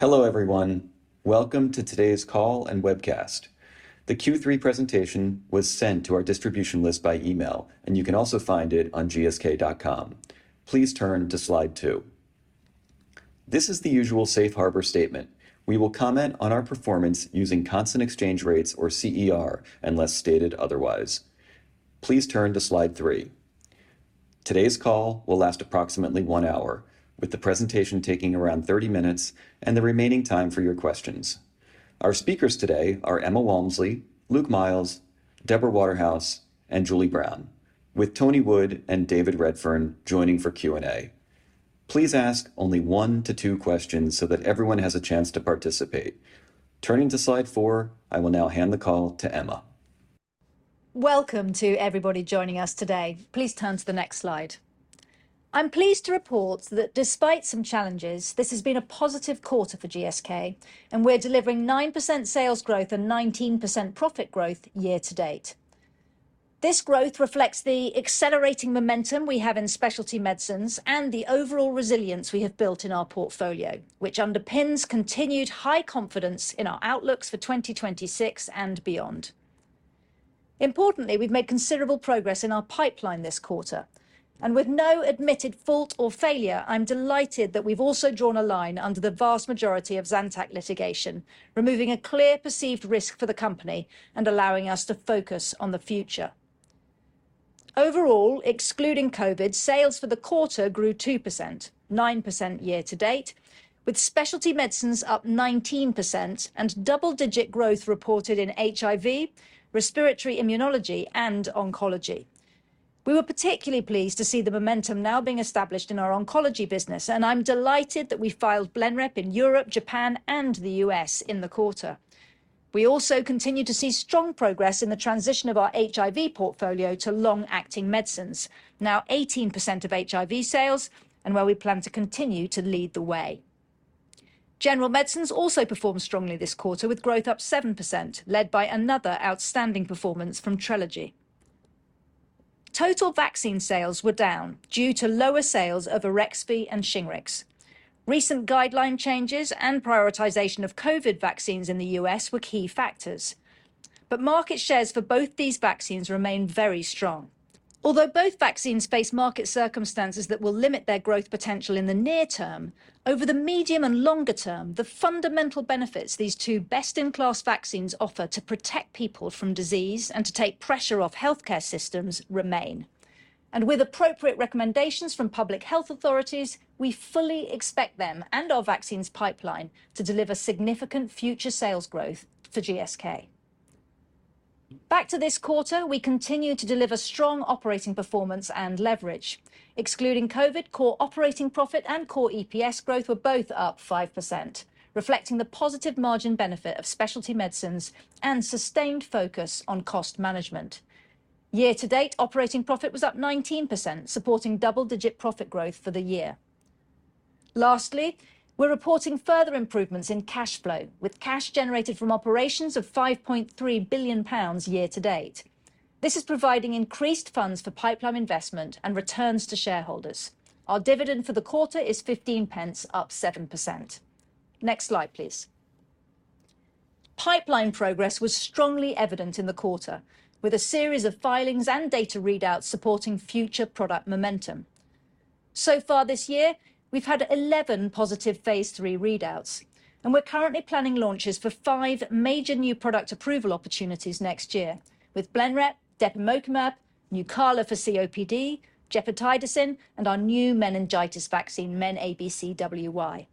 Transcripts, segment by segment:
Hello everyone, welcome to today's call and webcast. The Q3 presentation was sent to our distribution list by email, and you can also find it on gsk.com. Please turn to slide two. This is the usual safe harbor statement. We will comment on our performance using constant exchange rates or CER, unless stated otherwise. Please turn to slide three. Today's call will last approximately one hour, with the presentation taking around 30 minutes and the remaining time for your questions. Our speakers today are Emma Walmsley, Luke Miels, Deborah Waterhouse, and Julie Brown, with Tony Wood and David Redfern joining for Q&A. Please ask only one to two questions so that everyone has a chance to participate. Turning to slide four, I will now hand the call to Emma. Welcome to everybody joining us today. Please turn to the next slide. I'm pleased to report that despite some challenges, this has been a positive quarter for GSK, and we're delivering 9% sales growth and 19% profit growth year to date. This growth reflects the accelerating momentum we have in specialty medicines and the overall resilience we have built in our portfolio, which underpins continued high confidence in our outlooks for 2026 and beyond. Importantly, we've made considerable progress in our pipeline this quarter, and with no admitted fault or failure, I'm delighted that we've also drawn a line under the vast majority of Zantac litigation, removing a clear perceived risk for the company and allowing us to focus on the future. Overall, excluding COVID, sales for the quarter grew 2%, 9% year to date, with specialty medicines up 19% and double-digit growth reported in HIV, respiratory immunology, and oncology. We were particularly pleased to see the momentum now being established in our oncology business, and I'm delighted that we filed Blenrep in Europe, Japan, and the U.S. in the quarter. We also continue to see strong progress in the transition of our HIV portfolio to long-acting medicines, now 18% of HIV sales, and where we plan to continue to lead the way. General medicines also performed strongly this quarter, with growth up 7%, led by another outstanding performance from Trelegy. Total vaccine sales were down due to lower sales of Arexvy and Shingrix. Recent guideline changes and prioritization of COVID vaccines in the U.S. were key factors, but market shares for both these vaccines remain very strong. Although both vaccines face market circumstances that will limit their growth potential in the near term, over the medium and longer term, the fundamental benefits these two best-in-class vaccines offer to protect people from disease and to take pressure off healthcare systems remain, and with appropriate recommendations from public health authorities, we fully expect them and our vaccines pipeline to deliver significant future sales growth for GSK. Back to this quarter, we continue to deliver strong operating performance and leverage. Excluding COVID, core operating profit and core EPS growth were both up 5%, reflecting the positive margin benefit of specialty medicines and sustained focus on cost management. Year to date, operating profit was up 19%, supporting double-digit profit growth for the year. Lastly, we're reporting further improvements in cash flow, with cash generated from operations of 5.3 billion pounds year to date. This is providing increased funds for pipeline investment and returns to shareholders. Our dividend for the quarter is 0.15, up 7%. Next slide, please. Pipeline progress was strongly evident in the quarter, with a series of filings and data readouts supporting future product momentum. So far this year, we've had 11 positive phase 3 readouts, and we're currently planning launches for five major new product approval opportunities next year, with Blenrep, Depemokimab, Nucala for COPD, Gepotidacin, and our new meningitis vaccine, MenABCWY.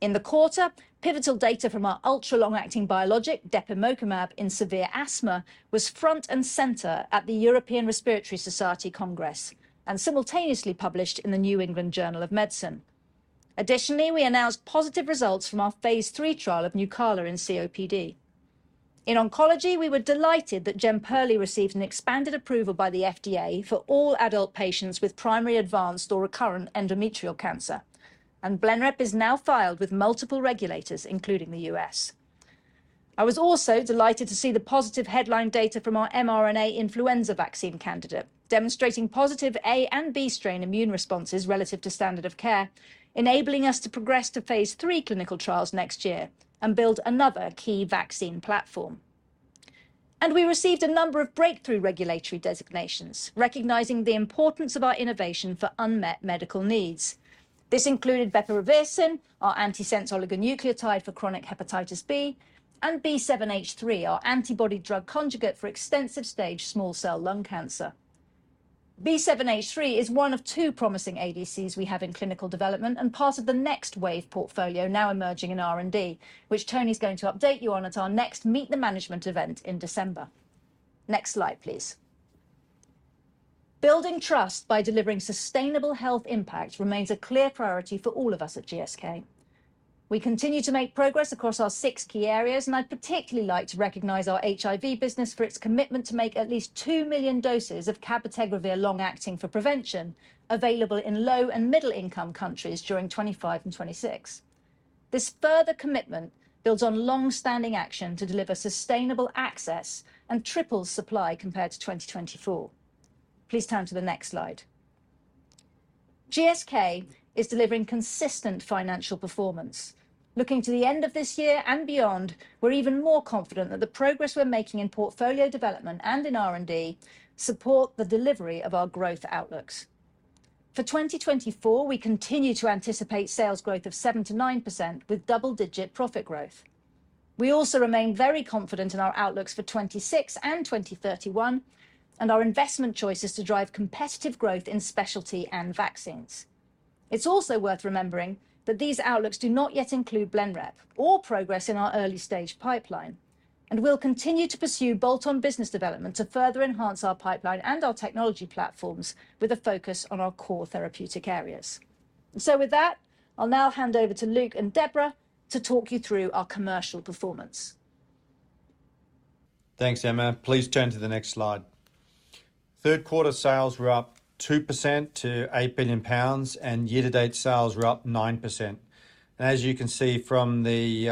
In the quarter, pivotal data from our ultra-long-acting biologic, Depemokimab, in severe asthma was front and center at the European Respiratory Society Congress and simultaneously published in the New England Journal of Medicine. Additionally, we announced positive results from our phase III trial of Nucala in COPD. In oncology, we were delighted that Jemperli received an expanded approval by the FDA for all adult patients with primary advanced or recurrent endometrial cancer, and Blenrep is now filed with multiple regulators, including the U.S. I was also delighted to see the positive topline data from our mRNA influenza vaccine candidate, demonstrating positive A and B strain immune responses relative to standard of care, enabling us to progress to phase three clinical trials next year and build another key vaccine platform, and we received a number of breakthrough regulatory designations, recognizing the importance of our innovation for unmet medical needs. This included Bepirovirsen, our antisense oligonucleotide for chronic hepatitis B, and B7-H3, our antibody-drug conjugate for extensive stage small cell lung cancer. B7-H3 is one of two promising ADCs we have in clinical development and part of the next wave portfolio now emerging in R&D, which Tony's going to update you on at our next Meet the Management event in December. Next slide, please. Building trust by delivering sustainable health impact remains a clear priority for all of us at GSK. We continue to make progress across our six key areas, and I'd particularly like to recognize our HIV business for its commitment to make at least two million doses of cabotegravir long-acting for prevention available in low and middle-income countries during 2025 and 2026. This further commitment builds on long-standing action to deliver sustainable access and triple supply compared to 2024. Please turn to the next slide. GSK is delivering consistent financial performance. Looking to the end of this year and beyond, we're even more confident that the progress we're making in portfolio development and in R&D support the delivery of our growth outlooks. For 2024, we continue to anticipate sales growth of 7%-9% with double-digit profit growth. We also remain very confident in our outlooks for 2026 and 2031, and our investment choices to drive competitive growth in specialty and vaccines. It's also worth remembering that these outlooks do not yet include Blenrep or progress in our early stage pipeline, and we'll continue to pursue bolt-on business development to further enhance our pipeline and our technology platforms with a focus on our core therapeutic areas. So with that, I'll now hand over to Luke and Deborah to talk you through our commercial performance. Thanks, Emma. Please turn to the next slide. Third quarter sales were up 2% to 8 billion pounds, and year to date sales were up 9%. As you can see from the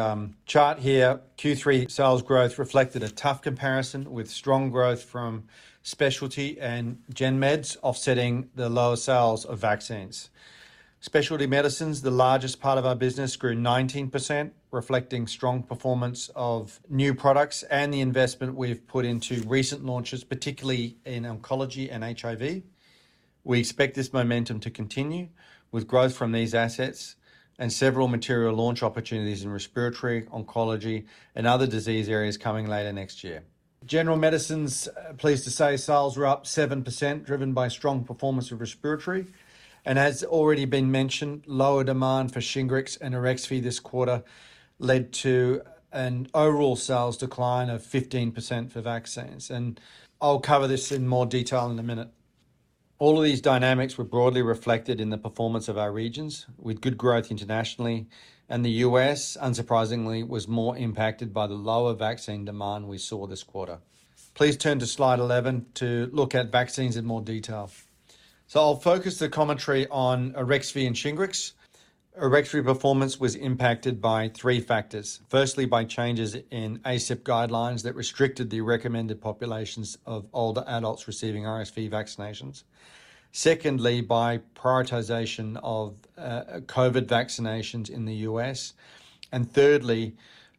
chart here, Q3 sales growth reflected a tough comparison with strong growth from specialty and gen meds, offsetting the lower sales of vaccines. Specialty medicines, the largest part of our business, grew 19%, reflecting strong performance of new products and the investment we've put into recent launches, particularly in oncology and HIV. We expect this momentum to continue with growth from these assets and several material launch opportunities in respiratory oncology and other disease areas coming later next year. General medicines, pleased to say, sales were up 7%, driven by strong performance of respiratory. As already been mentioned, lower demand for Shingrix and Arexvy this quarter led to an overall sales decline of 15% for vaccines. And I'll cover this in more detail in a minute. All of these dynamics were broadly reflected in the performance of our regions, with good growth internationally, and the U.S., unsurprisingly, was more impacted by the lower vaccine demand we saw this quarter. Please turn to slide 11 to look at vaccines in more detail. So I'll focus the commentary on Arexvy and Shingrix. Arexvy performance was impacted by three factors. Firstly, by changes in ACIP guidelines that restricted the recommended populations of older adults receiving RSV vaccinations. Secondly, by prioritization of COVID vaccinations in the U.S. And thirdly,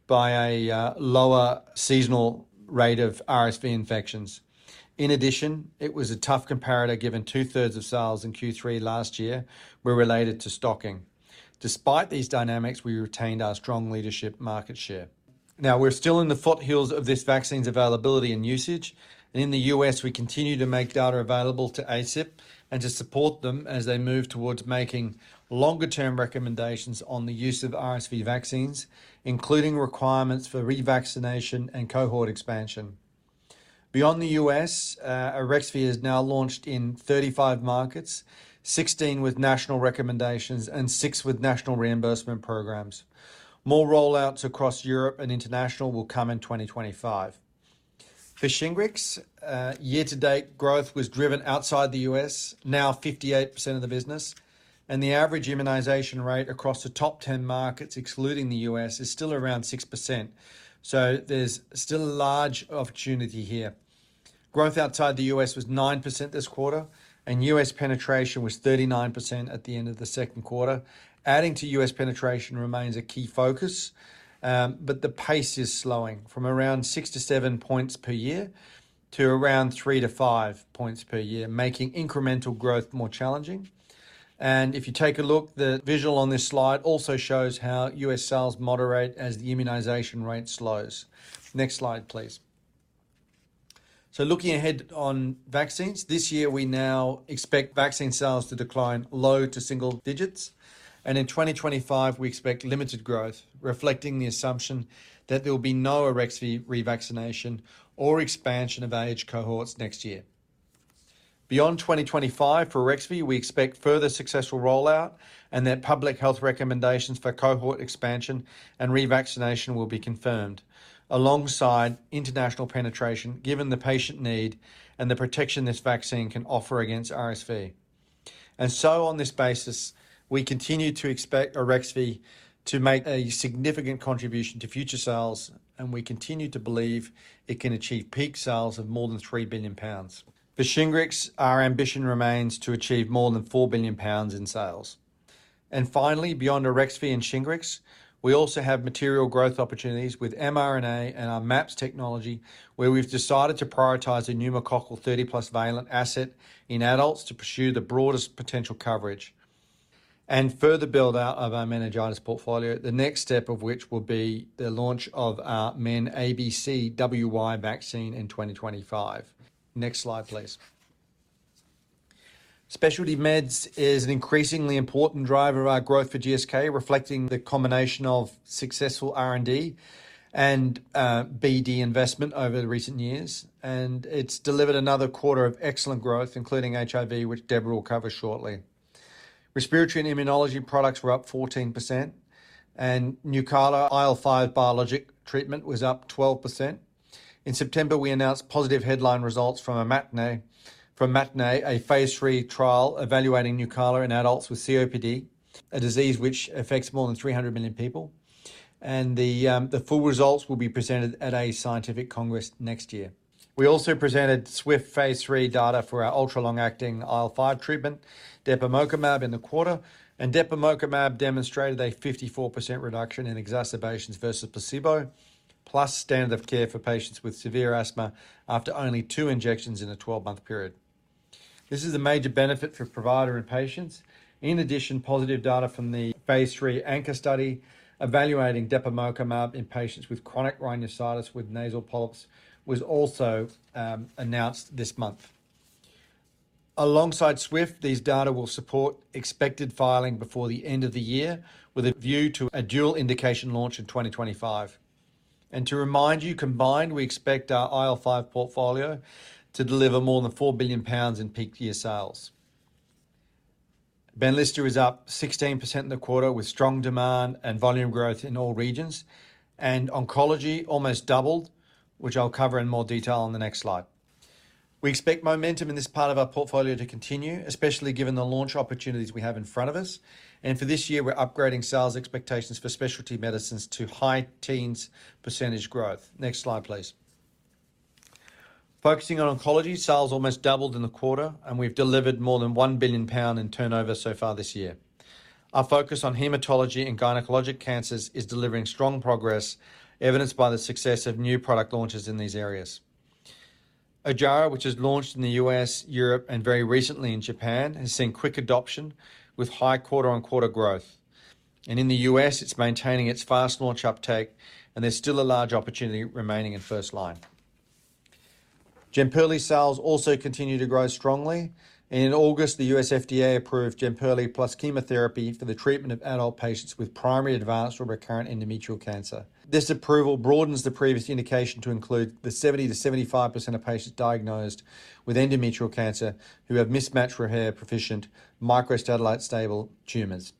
by a lower seasonal rate of RSV infections. In addition, it was a tough comparator given two-thirds of sales in Q3 last year were related to stocking. Despite these dynamics, we retained our strong leadership market share. Now, we're still in the foothills of this vaccine's availability and usage, and in the U.S., we continue to make data available to ACIP and to support them as they move towards making longer-term recommendations on the use of RSV vaccines, including requirements for revaccination and cohort expansion. Beyond the U.S., Arexvy is now launched in 35 markets, 16 with national recommendations, and 6 with national reimbursement programs. More rollouts across Europe and international will come in 2025. For Shingrix, year to date, growth was driven outside the U.S., now 58% of the business, and the average immunization rate across the top 10 markets, excluding the U.S., is still around 6%. So there's still a large opportunity here. Growth outside the U.S. was 9% this quarter, and U.S. penetration was 39% at the end of the second quarter. Adding to U.S. penetration remains a key focus, but the pace is slowing from around six to seven points per year to around three to five points per year, making incremental growth more challenging, and if you take a look, the visual on this slide also shows how U.S. sales moderate as the immunization rate slows. Next slide, please, so looking ahead on vaccines, this year we now expect vaccine sales to decline low to single digits, and in 2025, we expect limited growth, reflecting the assumption that there will be no Arexvy revaccination or expansion of age cohorts next year. Beyond 2025, for Arexvy, we expect further successful rollout and that public health recommendations for cohort expansion and revaccination will be confirmed alongside international penetration, given the patient need and the protection this vaccine can offer against RSV. And so, on this basis, we continue to expect Arexvy to make a significant contribution to future sales, and we continue to believe it can achieve peak sales of more than 3 billion pounds. For Shingrix, our ambition remains to achieve more than 4 billion pounds in sales. And finally, beyond Arexvy and Shingrix, we also have material growth opportunities with mRNA and our MAPS technology, where we've decided to prioritize a pneumococcal 30-plus valent asset in adults to pursue the broadest potential coverage and further build out of our meningitis portfolio, the next step of which will be the launch of our MenABCWY vaccine in 2025. Next slide, please. Specialty meds is an increasingly important driver of our growth for GSK, reflecting the combination of successful R&D and BD investment over the recent years, and it's delivered another quarter of excellent growth, including HIV, which Deborah will cover shortly. Respiratory and immunology products were up 14%, and Nucala IL-5 biologic treatment was up 12%. In September, we announced positive headline results from a MATINEE, a phase three trial evaluating Nucala in adults with COPD, a disease which affects more than 300 million people, and the full results will be presented at a scientific congress next year. We also presented SWIFT phase three data for our ultra-long-acting IL-5 treatment, Depemokimab, in the quarter, and Depemokimab demonstrated a 54% reduction in exacerbations versus placebo, plus standard of care for patients with severe asthma after only two injections in a 12-month period. This is a major benefit for provider and patients. In addition, positive data from the phase three ANCHOR study evaluating Depemokimab in patients with chronic rhinosinusitis with nasal polyps was also announced this month. Alongside Swift, these data will support expected filing before the end of the year, with a view to a dual indication launch in 2025. And to remind you, combined, we expect our IL5 portfolio to deliver more than 4 billion pounds in peak year sales. Benlysta is up 16% in the quarter, with strong demand and volume growth in all regions, and oncology almost doubled, which I'll cover in more detail on the next slide. We expect momentum in this part of our portfolio to continue, especially given the launch opportunities we have in front of us. And for this year, we're upgrading sales expectations for specialty medicines to high teens % growth. Next slide, please. Focusing on oncology, sales almost doubled in the quarter, and we've delivered more than 1 billion pound in turnover so far this year. Our focus on hematology and gynecologic cancers is delivering strong progress, evidenced by the success of new product launches in these areas. Ojjaara, which has launched in the US, Europe, and very recently in Japan, has seen quick adoption with high quarter-on-quarter growth, and in the US, it's maintaining its fast launch uptake, and there's still a large opportunity remaining in first line. Jemperli sales also continue to grow strongly, and in August, the US FDA approved Jemperli plus chemotherapy for the treatment of adult patients with primary advanced or recurrent endometrial cancer. This approval broadens the previous indication to include the 70%-75% of patients diagnosed with endometrial cancer who have mismatched repair proficient microsatellite stable tumors,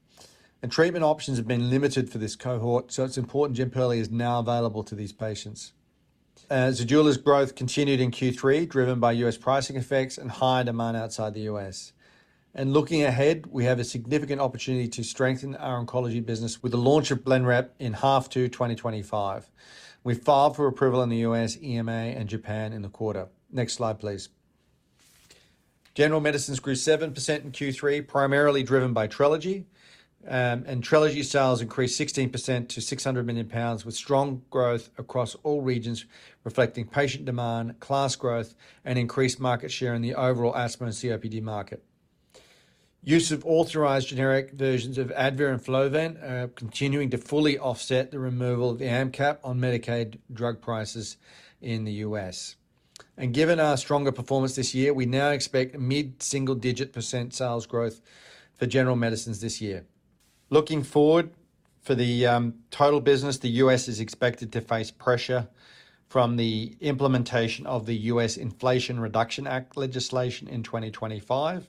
and treatment options have been limited for this cohort, so it's important Jemperli is now available to these patients. Zejula's growth continued in Q3, driven by U.S. pricing effects and high demand outside the U.S. Looking ahead, we have a significant opportunity to strengthen our oncology business with the launch of Blenrep in H2 2025. We filed for approval in the U.S., EMA, and Japan in the quarter. Next slide, please. General medicines grew 7% in Q3, primarily driven by Trelegy, and Trelegy sales increased 16% to 600 million pounds with strong growth across all regions, reflecting patient demand, class growth, and increased market share in the overall asthma and COPD market. Use of authorized generic versions of Advair and Flovent are continuing to fully offset the removal of the AMP cap on Medicaid drug prices in the U.S. Given our stronger performance this year, we now expect mid-single-digit % sales growth for general medicines this year. Looking forward for the total business, the U.S. is expected to face pressure from the implementation of the U.S. Inflation Reduction Act legislation in 2025,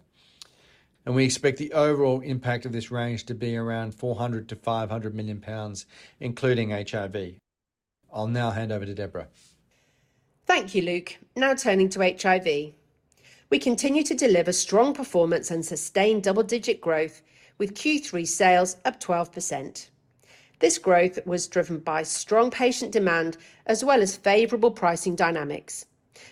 and we expect the overall impact of this range to be around £400 million-£500 million, including HIV. I'll now hand over to Deborah. Thank you, Luke. Now turning to HIV, we continue to deliver strong performance and sustained double-digit growth with Q3 sales up 12%. This growth was driven by strong patient demand as well as favorable pricing dynamics.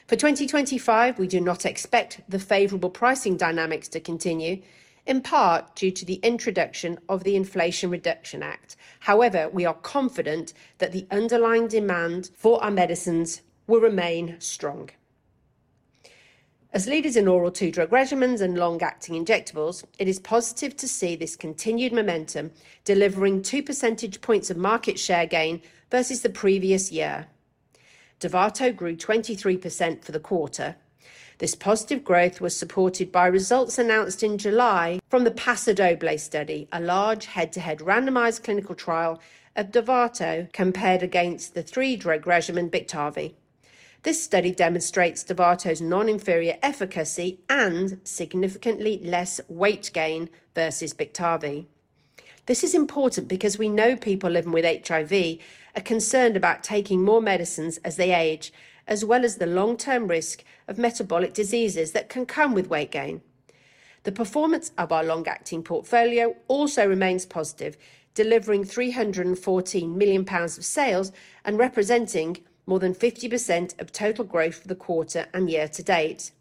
For 2025, we do not expect the favorable pricing dynamics to continue, in part due to the introduction of the Inflation Reduction Act. However, we are confident that the underlying demand for our medicines will remain strong. As leaders in oral two-drug regimens and long-acting injectables, it is positive to see this continued momentum delivering 2 percentage points of market share gain versus the previous year. Dovato grew 23% for the quarter. This positive growth was supported by results announced in July from the TANGO study, a large head-to-head randomized clinical trial of Dovato compared against the three-drug regimen Biktarvy. This study demonstrates Dovato's non-inferior efficacy and significantly less weight gain versus Biktarvy. This is important because we know people living with HIV are concerned about taking more medicines as they age, as well as the long-term risk of metabolic diseases that can come with weight gain. The performance of our long-acting portfolio also remains positive, delivering 314 million pounds of sales and representing more than 50% of total growth for the quarter and year to date.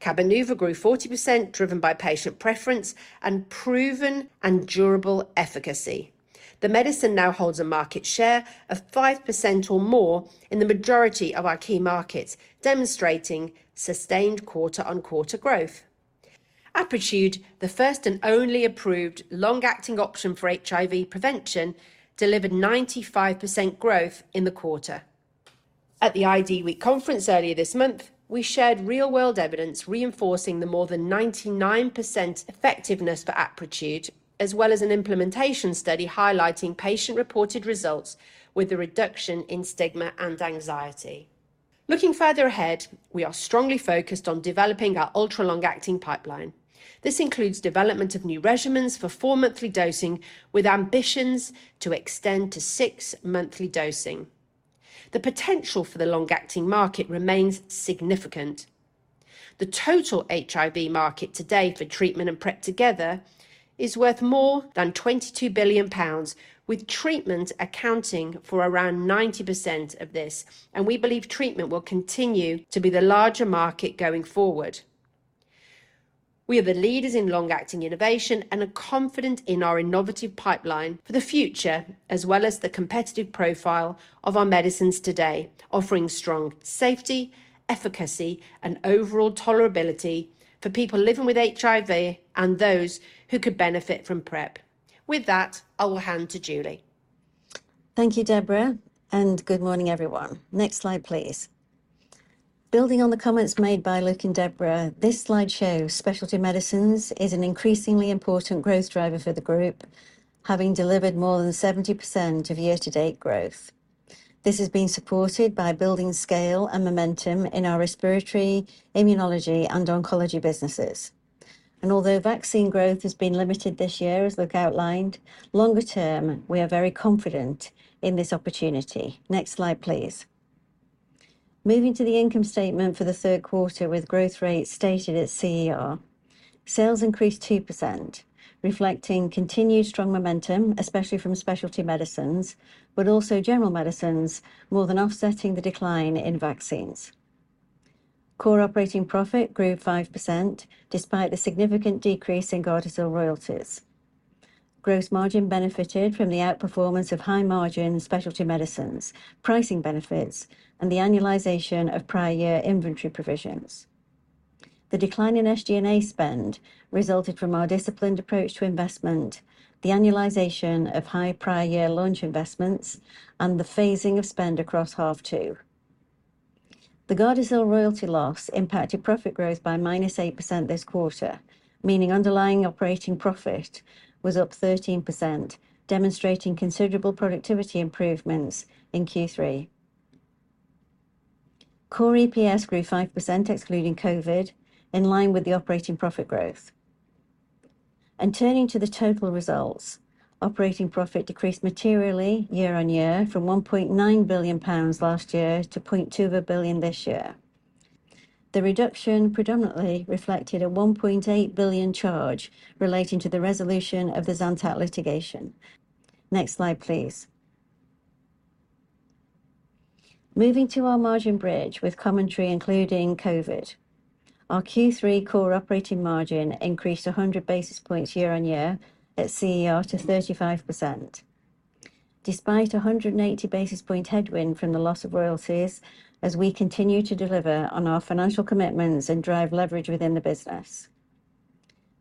Cabenuva grew 40%, driven by patient preference and proven and durable efficacy. The medicine now holds a market share of 5% or more in the majority of our key markets, demonstrating sustained quarter-on-quarter growth. Apretude, the first and only approved long-acting option for HIV prevention, delivered 95% growth in the quarter. At the ID Week conference earlier this month, we shared real-world evidence reinforcing the more than 99% effectiveness for Apretude, as well as an implementation study highlighting patient-reported results with a reduction in stigma and anxiety. Looking further ahead, we are strongly focused on developing our ultra-long-acting pipeline. This includes development of new regimens for four-monthly dosing, with ambitions to extend to six-monthly dosing. The potential for the long-acting market remains significant. The total HIV market today for treatment and PrEP together is worth more than 22 billion pounds, with treatments accounting for around 90% of this, and we believe treatment will continue to be the larger market going forward. We are the leaders in long-acting innovation and are confident in our innovative pipeline for the future, as well as the competitive profile of our medicines today, offering strong safety, efficacy, and overall tolerability for people living with HIV and those who could benefit from PrEP. With that, I will hand to Julie. Thank you, Deborah, and good morning, everyone. Next slide, please. Building on the comments made by Luke and Deborah, this slideshow of specialty medicines is an increasingly important growth driver for the group, having delivered more than 70% of year-to-date growth. This has been supported by building scale and momentum in our respiratory, immunology, and oncology businesses, and although vaccine growth has been limited this year, as Luke outlined, longer term, we are very confident in this opportunity. Next slide, please. Moving to the income statement for the third quarter, with growth rates stated at CER, sales increased 2%, reflecting continued strong momentum, especially from specialty medicines, but also general medicines, more than offsetting the decline in vaccines. Core operating profit grew 5% despite the significant decrease in Gardasil royalties. Gross margin benefited from the outperformance of high-margin specialty medicines, pricing benefits, and the annualization of prior year inventory provisions. The decline in SG&A spend resulted from our disciplined approach to investment, the annualization of high prior year launch investments, and the phasing of spend across half two. The Gardasil royalty loss impacted profit growth by minus 8% this quarter, meaning underlying operating profit was up 13%, demonstrating considerable productivity improvements in Q3. Core EPS grew 5%, excluding COVID, in line with the operating profit growth. Turning to the total results, operating profit decreased materially year on year, from 1.9 billion pounds last year to 0.2 billion this year. The reduction predominantly reflected a 1.8 billion charge relating to the resolution of the Zantac litigation. Next slide, please. Moving to our margin bridge with commentary, including COVID. Our Q3 core operating margin increased 100 basis points year on year at CER to 35%, despite a 180 basis point headwind from the loss of royalties, as we continue to deliver on our financial commitments and drive leverage within the business.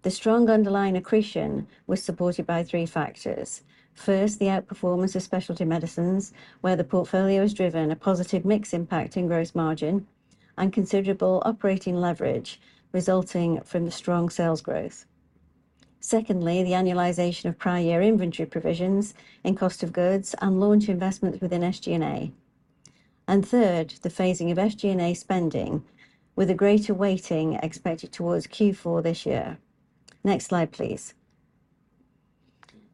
The strong underlying accretion was supported by three factors. First, the outperformance of specialty medicines, where the portfolio has driven a positive mix impacting gross margin, and considerable operating leverage resulting from the strong sales growth. Secondly, the annualization of prior year inventory provisions in cost of goods and launch investments within SG&A. And third, the phasing of SG&A spending, with a greater weighting expected towards Q4 this year. Next slide, please.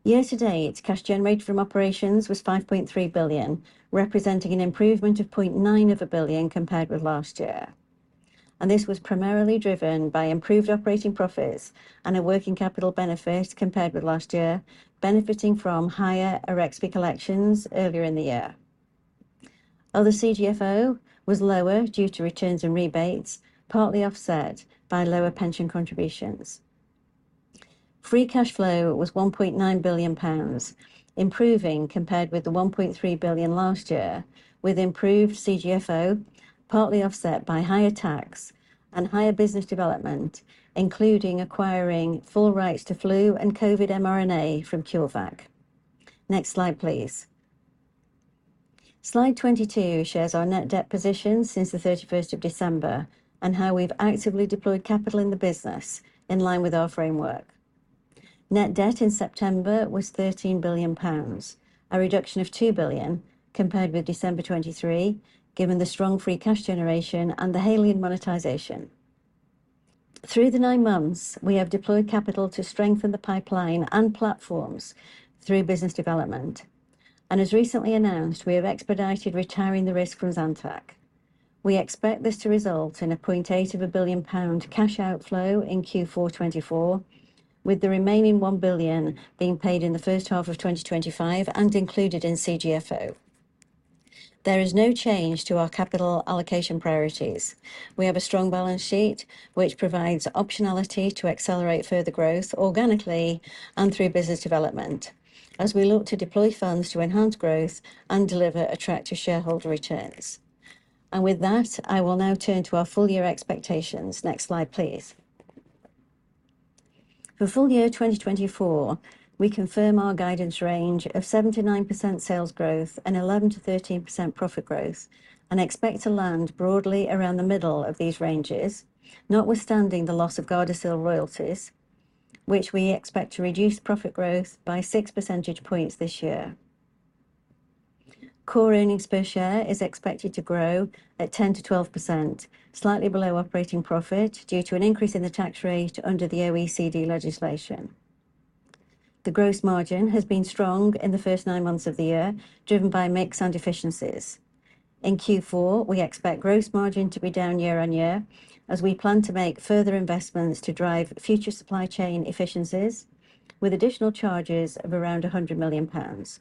Year-to-date, cash generated from operations was 5.3 billion, representing an improvement of 0.9 billion compared with last year. This was primarily driven by improved operating profits and a working capital benefit compared with last year, benefiting from higher AREXP collections earlier in the year. Other CGFO was lower due to returns and rebates, partly offset by lower pension contributions. Free cash flow was 1.9 billion pounds, improving compared with the 1.3 billion last year, with improved CGFO, partly offset by higher tax and higher business development, including acquiring full rights to flu and COVID mRNA from CureVac. Next slide, please. Slide 22 shares our net debt position since the 31st of December and how we've actively deployed capital in the business in line with our framework. Net debt in September was 13 billion pounds, a reduction of 2 billion compared with December 2023, given the strong free cash generation and the Haleon monetization. Through the nine months, we have deployed capital to strengthen the pipeline and platforms through business development, and as recently announced, we have expedited retiring the risk from Zantac. We expect this to result in a 0.8 billion pound cash outflow in Q4 2024, with the remaining 1 billion being paid in the first half of 2025 and included in CGFO. There is no change to our capital allocation priorities. We have a strong balance sheet, which provides optionality to accelerate further growth organically and through business development, as we look to deploy funds to enhance growth and deliver attractive shareholder returns, and with that, I will now turn to our full year expectations. Next slide, please. For full year 2024, we confirm our guidance range of 79% sales growth and 11%-13% profit growth, and expect to land broadly around the middle of these ranges, notwithstanding the loss of Gardasil royalties, which we expect to reduce profit growth by 6 percentage points this year. Core earnings per share is expected to grow at 10%-12%, slightly below operating profit due to an increase in the tax rate under the OECD legislation. The gross margin has been strong in the first nine months of the year, driven by mix and efficiencies. In Q4, we expect gross margin to be down year on year, as we plan to make further investments to drive future supply chain efficiencies, with additional charges of around 100 million pounds.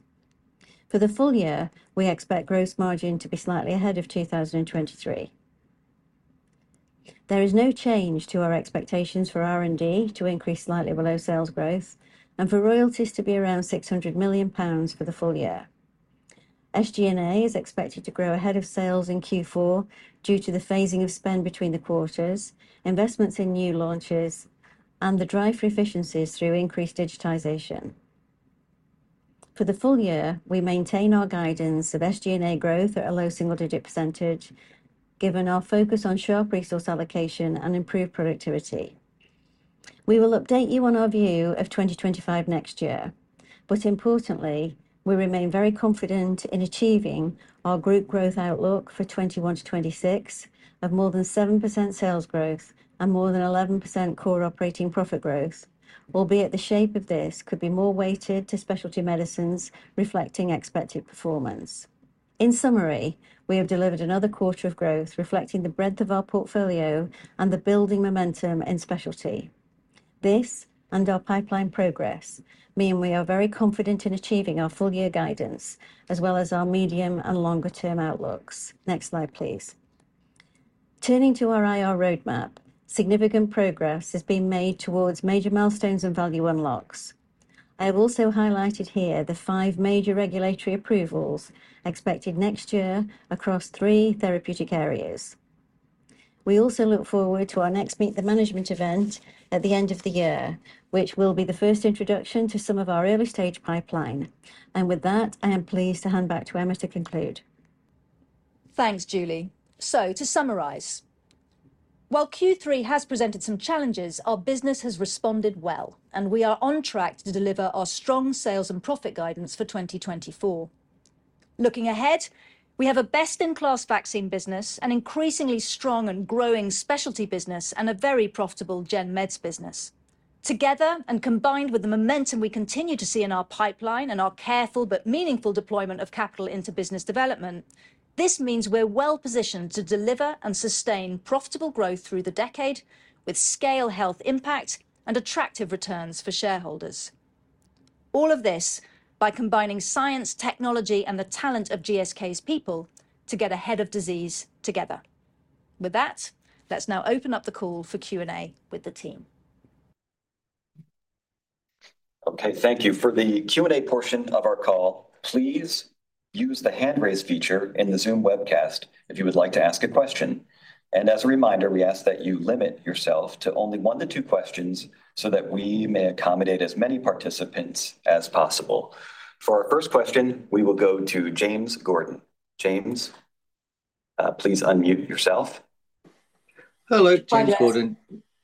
For the full year, we expect gross margin to be slightly ahead of 2023. There is no change to our expectations for R&D to increase slightly below sales growth, and for royalties to be around 600 million pounds for the full year. SG&A is expected to grow ahead of sales in Q4 due to the phasing of spend between the quarters, investments in new launches, and the drive for efficiencies through increased digitization. For the full year, we maintain our guidance of SG&A growth at a low single-digit %, given our focus on sharp resource allocation and improved productivity. We will update you on our view of 2025 next year, but importantly, we remain very confident in achieving our group growth outlook for 21-26 of more than 7% sales growth and more than 11% core operating profit growth, albeit the shape of this could be more weighted to specialty medicines reflecting expected performance. In summary, we have delivered another quarter of growth reflecting the breadth of our portfolio and the building momentum in specialty. This and our pipeline progress mean we are very confident in achieving our full year guidance, as well as our medium and longer-term outlooks. Next slide, please. Turning to our IR roadmap, significant progress has been made towards major milestones and value unlocks. I have also highlighted here the five major regulatory approvals expected next year across three therapeutic areas. We also look forward to our next Meet the Management event at the end of the year, which will be the first introduction to some of our early-stage pipeline. And with that, I am pleased to hand back to Emma to conclude. Thanks, Julie. So, to summarize, while Q3 has presented some challenges, our business has responded well, and we are on track to deliver our strong sales and profit guidance for 2024. Looking ahead, we have a best-in-class vaccine business, an increasingly strong and growing specialty business, and a very profitable gen meds business. Together, and combined with the momentum we continue to see in our pipeline and our careful but meaningful deployment of capital into business development, this means we're well positioned to deliver and sustain profitable growth through the decade, with scale health impact and attractive returns for shareholders. All of this by combining science, technology, and the talent of GSK's people to get ahead of disease together. With that, let's now open up the call for Q&A with the team. Okay, thank you. For the Q&A portion of our call, please use the hand-raise feature in the Zoom webcast if you would like to ask a question. And as a reminder, we ask that you limit yourself to only one to two questions so that we may accommodate as many participants as possible. For our first question, we will go to James Gordon. James, please unmute yourself. Hello, James Gordon.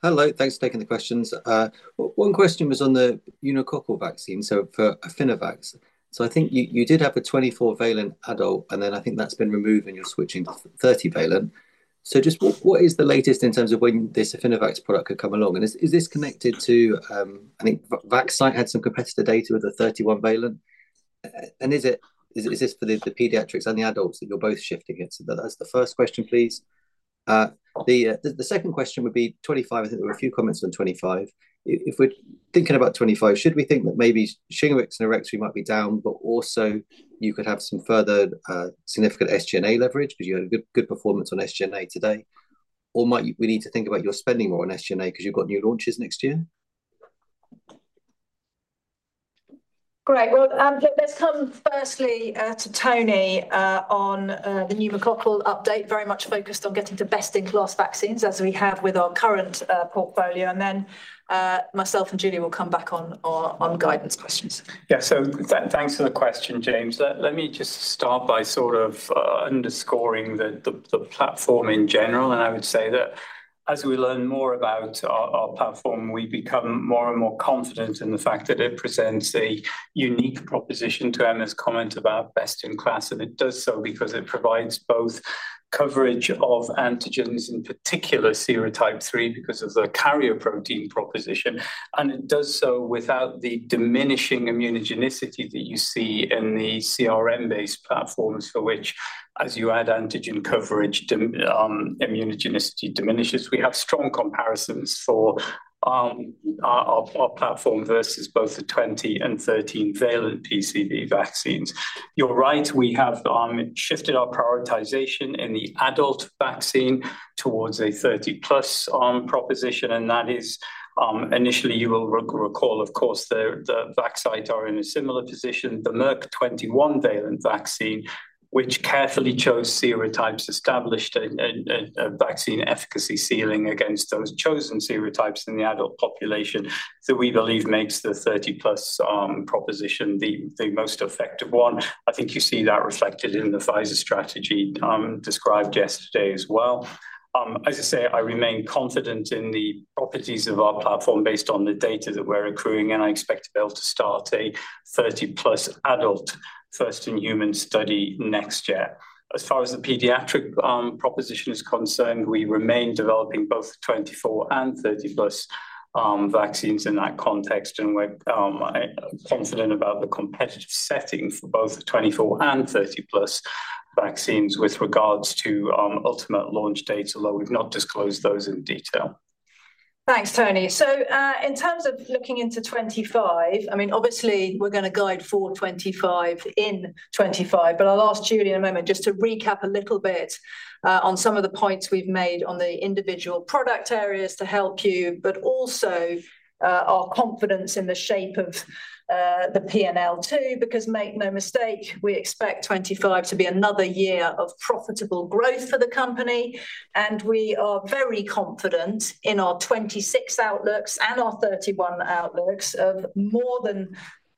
Hello, thanks for taking the questions. One question was on the pneumococcal vaccine, so for Affinivax. So I think you did have a 24 valent adult, and then I think that's been removed, and you're switching to 30 valent. So just what is the latest in terms of when this Affinivax product could come along? And is this connected to, I think, Vaxcyte had some competitor data with the 31 valent? And is this for the pediatrics and the adults that you're both shifting it to? That's the first question, please. The second question would be 25. I think there were a few comments on 25. If we're thinking about 25, should we think that maybe Shingrix and Arexvy might be down, but also you could have some further significant SG&A leverage because you had a good performance on SG&A today? Or might we need to think about your spending more on SG&A because you've got new launches next year? Great. Well, let's come firstly to Tony on the pneumococcal update, very much focused on getting to best-in-class vaccines as we have with our current portfolio, and then myself and Julie will come back on guidance questions. Yeah, so thanks for the question, James. Let me just start by sort of underscoring the platform in general. And I would say that as we learn more about our platform, we become more and more confident in the fact that it presents a unique proposition to Emma's comment about best-in-class. And it does so because it provides both coverage of antigens, in particular serotype 3, because of the carrier protein proposition. And it does so without the diminishing immunogenicity that you see in the CRM-based platforms, for which, as you add antigen coverage, immunogenicity diminishes. We have strong comparisons for our platform versus both the 20- and 13-valent PCV vaccines. You're right, we have shifted our prioritisation in the adult vaccine towards a 30-plus proposition. That is, initially, you will recall, of course, the Vaxcyte are in a similar position, the Merck 21 valent vaccine, which carefully chose serotypes, established a vaccine efficacy ceiling against those chosen serotypes in the adult population that we believe makes the 30 plus proposition the most effective one. I think you see that reflected in the Pfizer strategy described yesterday as well. As I say, I remain confident in the properties of our platform based on the data that we're accruing. And I expect to be able to start a 30 plus adult first-in-human study next year. As far as the pediatric proposition is concerned, we remain developing both 24 and 30 plus vaccines in that context. And we're confident about the competitive setting for both 24 and 30 plus vaccines with regards to ultimate launch dates, although we've not disclosed those in detail. Thanks, Tony. So in terms of looking into 2025, I mean, obviously, we're going to guide for 2025 in 2025. But I'll ask Julie in a moment just to recap a little bit on some of the points we've made on the individual product areas to help you, but also our confidence in the shape of the P&L too, because make no mistake, we expect 2025 to be another year of profitable growth for the company. And we are very confident in our 2026 outlooks and our 2031 outlooks of more than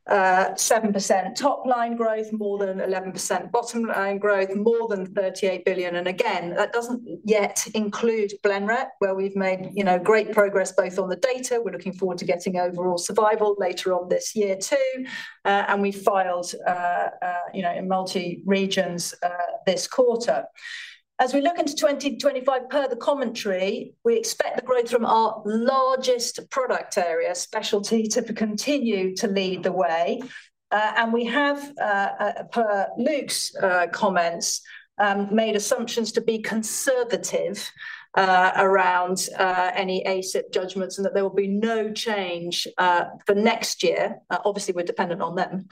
7% top line growth, more than 11% bottom line growth, more than 38 billion. And again, that doesn't yet include Blenrep, where we've made great progress both on the data. We're looking forward to getting overall survival later on this year too. And we filed in multiple regions this quarter. As we look into 2025 per the commentary, we expect the growth from our largest product area, specialty, to continue to lead the way. And we have, per Luke's comments, made assumptions to be conservative around any ACIP judgments and that there will be no change for next year. Obviously, we're dependent on them,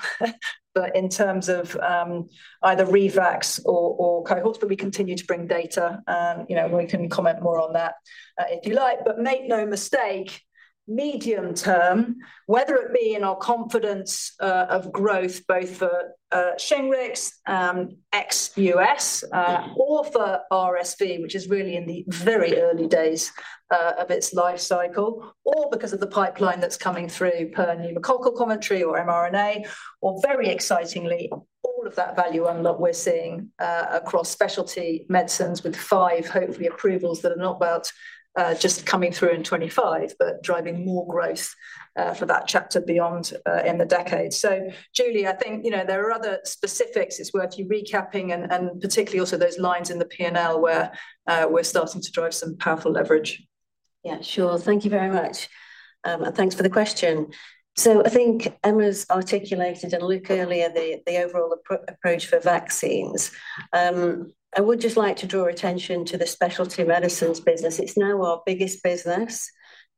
but in terms of either Arexvy or cohorts, but we continue to bring data. And we can comment more on that if you like. But make no mistake, medium term, whether it be in our confidence of growth both for Shingrix, ex-US, or for RSV, which is really in the very early days of its life cycle, or because of the pipeline that's coming through per pneumococcal commentary or mRNA, or very excitingly, all of that value unlock we're seeing across specialty medicines with five, hopefully, approvals that are not about just coming through in 2025, but driving more growth for that chapter beyond in the decade. So, Julie, I think there are other specifics it's worth you recapping, and particularly also those lines in the P&L where we're starting to drive some powerful leverage. Yeah, sure. Thank you very much. And thanks for the question. So I think Emma's articulated and Luke earlier the overall approach for vaccines. I would just like to draw attention to the specialty medicines business. It's now our biggest business.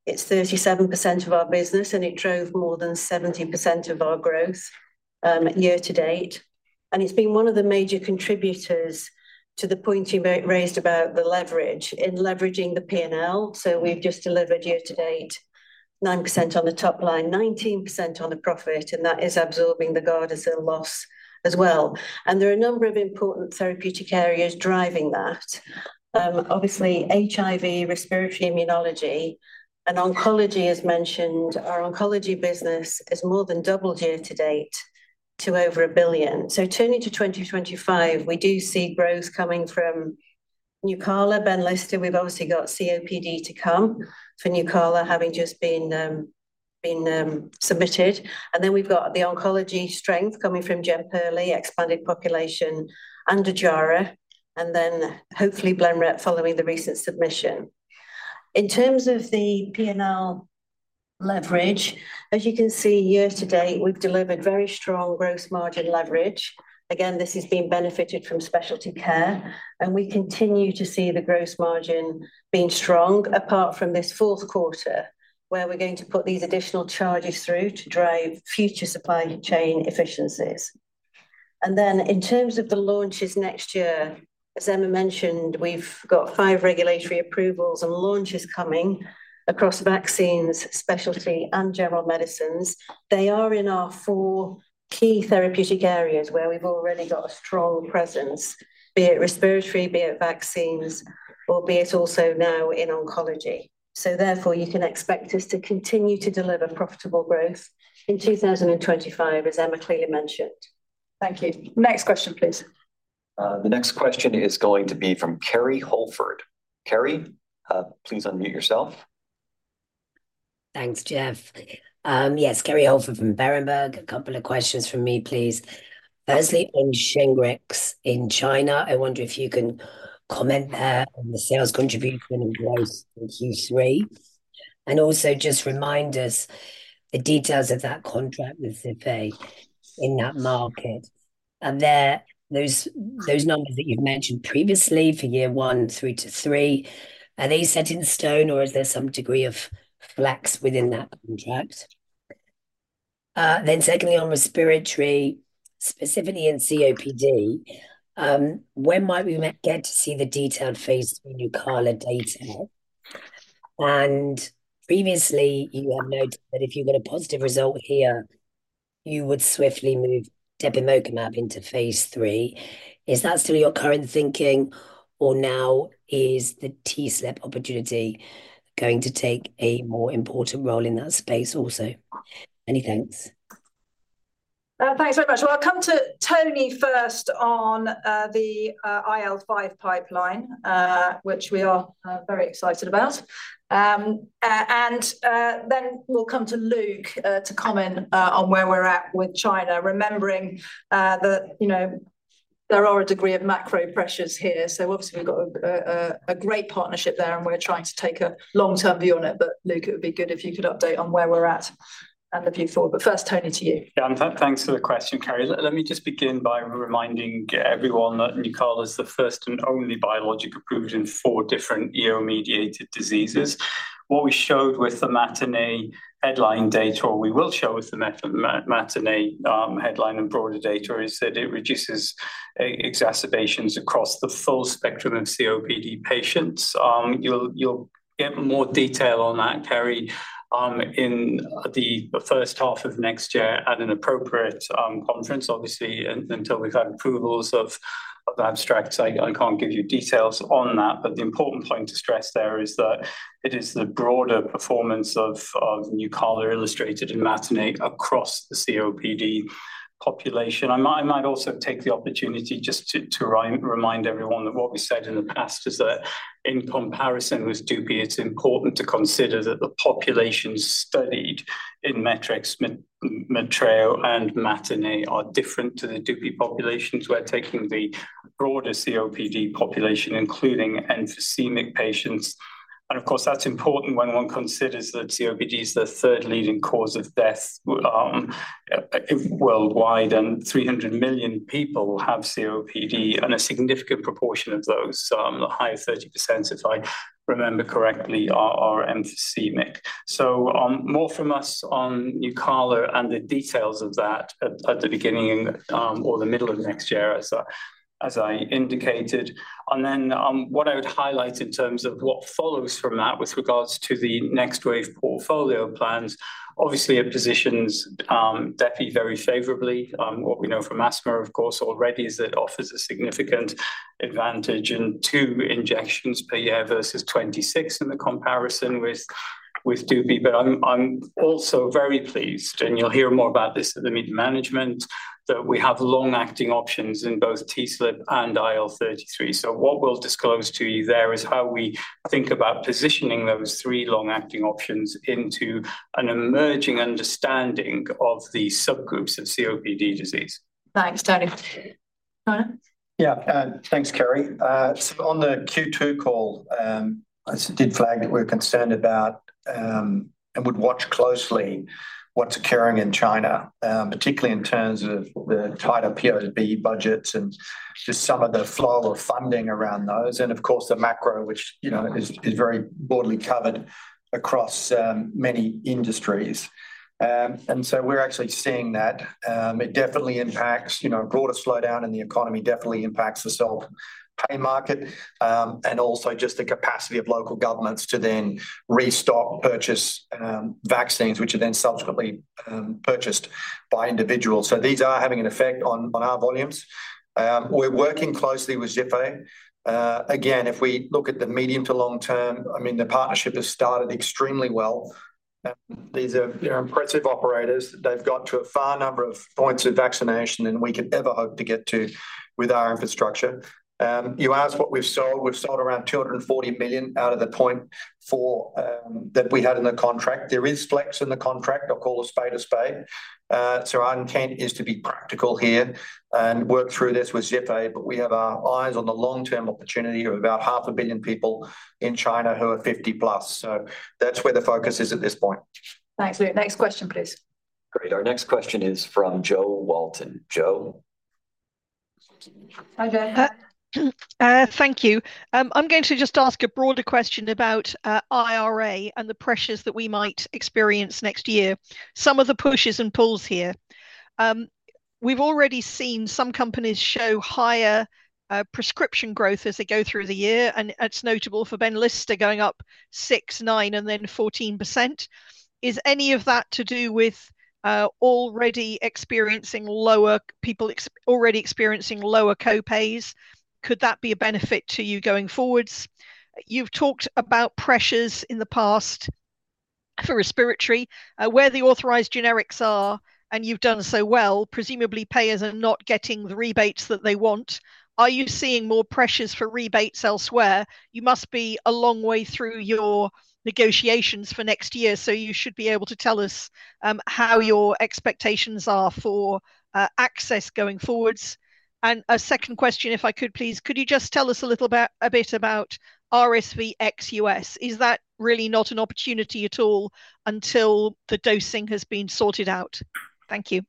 It's 37% of our business, and it drove more than 70% of our growth year to date. And it's been one of the major contributors to the point you raised about the leverage in leveraging the P&L. So we've just delivered year to date 9% on the top line, 19% on the profit, and that is absorbing the Gardasil loss as well. And there are a number of important therapeutic areas driving that. Obviously, HIV, respiratory immunology, and oncology, as mentioned, our oncology business is more than doubled year to date to over a billion. So turning to 2025, we do see growth coming from Nucala, Benlysta. We've obviously got COPD to come for Nucala having just been submitted. And then we've got the oncology strength coming from Jemperli, expanded population, and Ojjaara, and then hopefully Blenrep following the recent submission. In terms of the P&L leverage, as you can see year to date, we've delivered very strong gross margin leverage. Again, this has been benefited from specialty care. And we continue to see the gross margin being strong, apart from this fourth quarter, where we're going to put these additional charges through to drive future supply chain efficiencies. And then in terms of the launches next year, as Emma mentioned, we've got five regulatory approvals and launches coming across vaccines, specialty, and general medicines. They are in our four key therapeutic areas where we've already got a strong presence, be it respiratory, be it vaccines, or be it also now in oncology. So therefore, you can expect us to continue to deliver profitable growth in 2025, as Emma clearly mentioned. Thank you. Next question, please. The next question is going to be from Kerry Holford. Kerry, please unmute yourself. Thanks, Jeff. Yes, Kerry Holford from Berenberg. A couple of questions from me, please. Firstly, on Shingrix in China, I wonder if you can comment there on the sales contribution and growth in Q3. And also just remind us the details of that contract with Zhifei in that market. And those numbers that you've mentioned previously for year one, three to three, are they set in stone, or is there some degree of flex within that contract? Then secondly, on respiratory, specifically in COPD, when might we get to see the detailed phase three Nucala data? And previously, you had noted that if you got a positive result here, you would swiftly move Depemokimab into phase three. Is that still your current thinking, or now is the TSLP opportunity going to take a more important role in that space also? Many thanks. Thanks very much. Well, I'll come to Tony first on the IL-5 pipeline, which we are very excited about, and then we'll come to Luke to comment on where we're at with China, remembering that there are a degree of macro pressures here. So obviously, we've got a great partnership there, and we're trying to take a long-term view on it. But Luke, it would be good if you could update on where we're at and the view forward. But first, Tony, to you. Yeah, thanks for the question, Kerry. Let me just begin by reminding everyone that Nucala is the first and only biologic approved in four different EO-mediated diseases. What we showed with the MATINEE headline data, or we will show with the MATINEE headline and broader data, is that it reduces exacerbations across the full spectrum of COPD patients. You'll get more detail on that, Kerry, in the first half of next year at an appropriate conference, obviously, until we've had approvals of abstracts. I can't give you details on that. But the important point to stress there is that it is the broader performance of Nucala illustrated in MATINEE across the COPD population. I might also take the opportunity just to remind everyone that what we said in the past is that in comparison with Dupixent, it's important to consider that the populations studied in METREX, METRO and MATINEE are different to the Dupixent populations. We're taking the broader COPD population, including emphysemic patients. And of course, that's important when one considers that COPD is the third leading cause of death worldwide, and 300 million people have COPD, and a significant proportion of those, the higher 30%, if I remember correctly, are emphysemic. So more from us on Nucala and the details of that at the beginning or the middle of next year, as I indicated. And then what I would highlight in terms of what follows from that with regards to the next wave portfolio plans, obviously it positions Depemokimab very favorably. What we know from asthma, of course, already is that it offers a significant advantage in two injections per year versus 26 in the comparison with DUPI. But I'm also very pleased, and you'll hear more about this at the management meeting, that we have long-acting options in both TSLP and IL-33. So what we'll disclose to you there is how we think about positioning those three long-acting options into an emerging understanding of the subgroups of COPD disease. Thanks, Tony. Tony? Yeah, thanks, Kerry. So on the Q2 call, I did flag that we're concerned about and would watch closely what's occurring in China, particularly in terms of the tighter POB budgets and just some of the flow of funding around those. And of course, the macro, which is very broadly covered across many industries. And so we're actually seeing that. It definitely impacts a broader slowdown in the economy, definitely impacts the self-pay market, and also just the capacity of local governments to then restock purchase vaccines, which are then subsequently purchased by individuals. So these are having an effect on our volumes. We're working closely with Zhifei. Again, if we look at the medium to long term, I mean, the partnership has started extremely well. These are impressive operators. They've got to a far greater number of points of vaccination than we could ever hope to get to with our infrastructure. You asked what we've sold. We've sold around 240 million out of the 0.4 that we had in the contract. There is flex in the contract. I'll call it pay to play. So our intent is to be practical here and work through this with Zhifei. But we have our eyes on the long-term opportunity of about 500 million people in China who are 50 plus. So that's where the focus is at this point. Thanks, Luke. Next question, please. Great. Our next question is from Jo Walton. Jo? Hi, Jo. Thank you. I'm going to just ask a broader question about IRA and the pressures that we might experience next year. Some of the pushes and pulls here. We've already seen some companies show higher prescription growth as they go through the year. And it's notable for Benlysta going up 6%, 9%, and then 14%. Is any of that to do with people already experiencing lower copays? Could that be a benefit to you going forward? You've talked about pressures in the past for respiratory where the authorized generics are, and you've done so well. Presumably, payers are not getting the rebates that they want. Are you seeing more pressures for rebates elsewhere? You must be a long way through your negotiations for next year, so you should be able to tell us how your expectations are for access going forward. A second question, if I could, please. Could you just tell us a little bit about RSV XUS? Is that really not an opportunity at all until the dosing has been sorted out? Thank you.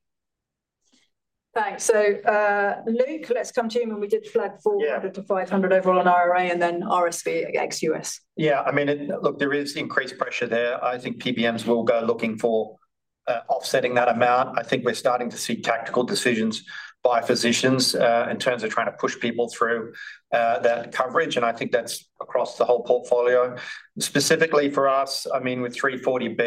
Thanks. So Luke, let's come to you. We did flag 400 to 500 overall on IRA and then RSV XUS. Yeah, I mean, look, there is increased pressure there. I think PBMs will go looking for offsetting that amount. I think we're starting to see tactical decisions by physicians in terms of trying to push people through that coverage. And I think that's across the whole portfolio. Specifically for us, I mean, with 340B,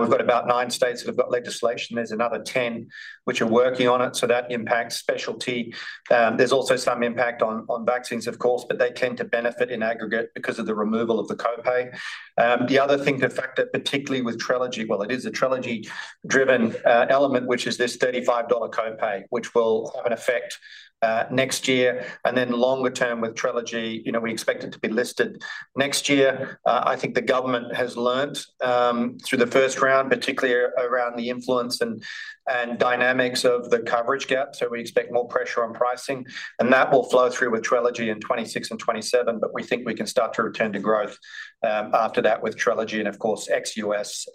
we've got about nine states that have got legislation. There's another 10 which are working on it. So that impacts specialty. There's also some impact on vaccines, of course, but they tend to benefit in aggregate because of the removal of the copay. The other thing to factor, particularly with Trelegy, well, it is a Trelegy-driven element, which is this $35 copay, which will have an effect next year. And then longer term with Trelegy, we expect it to be listed next year. I think the government has learned through the first round, particularly around the influence and dynamics of the coverage gap. So we expect more pressure on pricing. And that will flow through with Trelegy in 2026 and 2027. But we think we can start to return to growth after that with Trelegy and, of course, ex-U.S.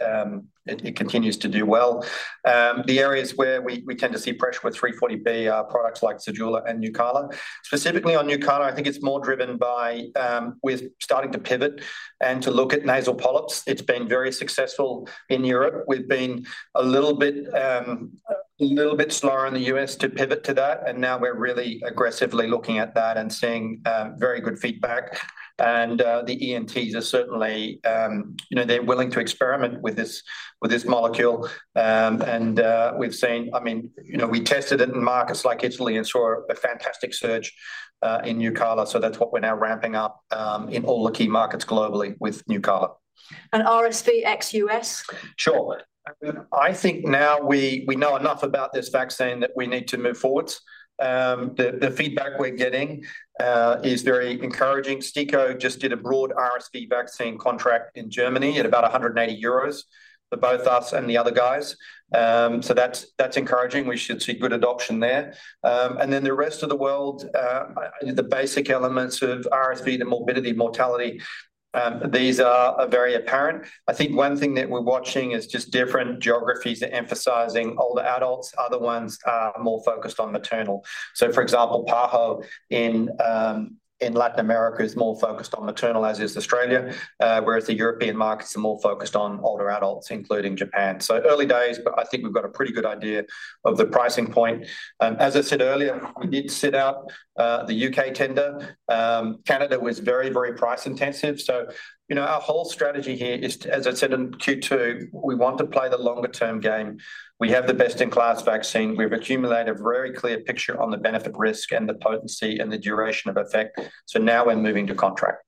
It continues to do well. The areas where we tend to see pressure with 340B are products like Zejula and Nucala. Specifically on Nucala, I think it's more driven by we're starting to pivot and to look at nasal polyps. It's been very successful in Europe. We've been a little bit slower in the U.S. to pivot to that. And now we're really aggressively looking at that and seeing very good feedback. And the ENTs are certainly. They're willing to experiment with this molecule. We've seen, I mean, we tested it in markets like Italy and saw a fantastic surge in Nucala. That's what we're now ramping up in all the key markets globally with Nucala. RSV ex-US? Sure. I think now we know enough about this vaccine that we need to move forward. The feedback we're getting is very encouraging. STIKO just did a broad RSV vaccine contract in Germany at about 180 euros for both us and the other guys. So that's encouraging. We should see good adoption there, and then the rest of the world, the basic elements of RSV, the morbidity, mortality, these are very apparent. I think one thing that we're watching is just different geographies are emphasizing older adults. Other ones are more focused on maternal. So, for example, PAHO in Latin America is more focused on maternal, as is Australia, whereas the European markets are more focused on older adults, including Japan. So early days, but I think we've got a pretty good idea of the pricing point. As I said earlier, we did sit out the UK tender. Canada was very, very price intensive. So our whole strategy here is, as I said in Q2, we want to play the longer-term game. We have the best-in-class vaccine. We've accumulated a very clear picture on the benefit risk and the potency and the duration of effect. So now we're moving to contract.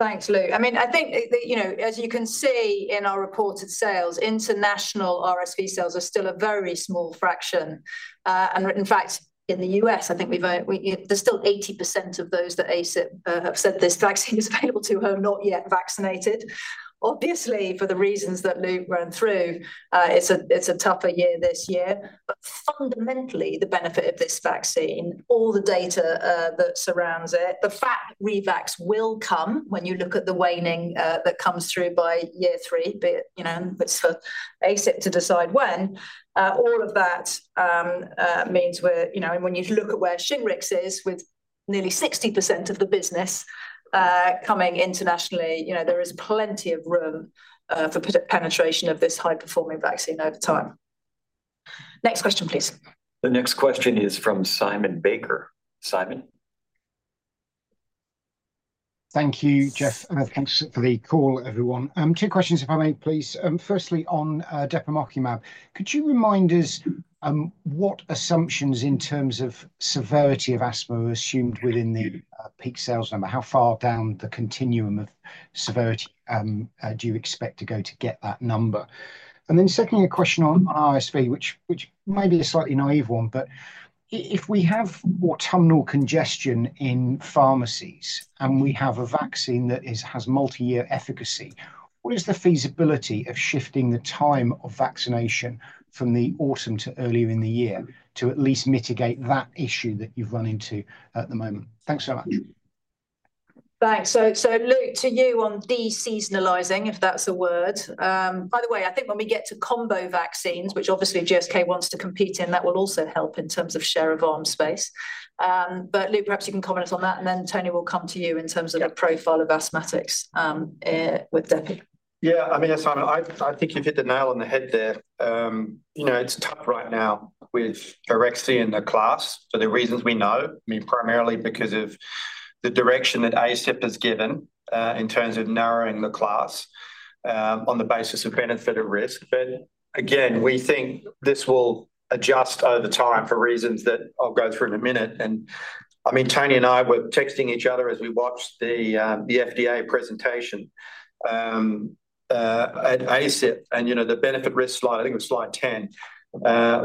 Thanks, Luke. I mean, I think, as you can see in our reported sales, international RSV sales are still a very small fraction. And in fact, in the U.S., I think there's still 80% of those that have said this vaccine is available to who are not yet vaccinated. Obviously, for the reasons that Luke ran through, it's a tougher year this year. But fundamentally, the benefit of this vaccine, all the data that surrounds it, the fact that re-vax will come when you look at the waning that comes through by year three, but it's for ACIP to decide when, all of that means we're and when you look at where Shingrix is with nearly 60% of the business coming internationally, there is plenty of room for penetration of this high-performing vaccine over time. Next question, please. The next question is from Simon Baker. Simon. Thank you, Jeff. Thanks for the call, everyone. Two questions, if I may, please. Firstly, on Depemokimab, could you remind us what assumptions in terms of severity of asthma are assumed within the peak sales number? How far down the continuum of severity do you expect to go to get that number? And then secondly, a question on RSV, which may be a slightly naive one, but if we have autumnal congestion in pharmacies and we have a vaccine that has multi-year efficacy, what is the feasibility of shifting the time of vaccination from the autumn to earlier in the year to at least mitigate that issue that you've run into at the moment? Thanks so much. Thanks. So, Luke, to you on deseasonalizing, if that's a word. By the way, I think when we get to combo vaccines, which obviously GSK wants to compete in, that will also help in terms of share of arm space. But Luke, perhaps you can comment on that. And then Tony will come to you in terms of the profile of asthmatics with Depi. Yeah, I mean, I think you've hit the nail on the head there. It's tough right now with CureVac in the class for the reasons we know, I mean, primarily because of the direction that ACIP has given in terms of narrowing the class on the basis of benefit-risk. But again, we think this will adjust over time for reasons that I'll go through in a minute. And I mean, Tony and I were texting each other as we watched the FDA presentation at ACIP and the benefit-risk slide, I think it was slide 10,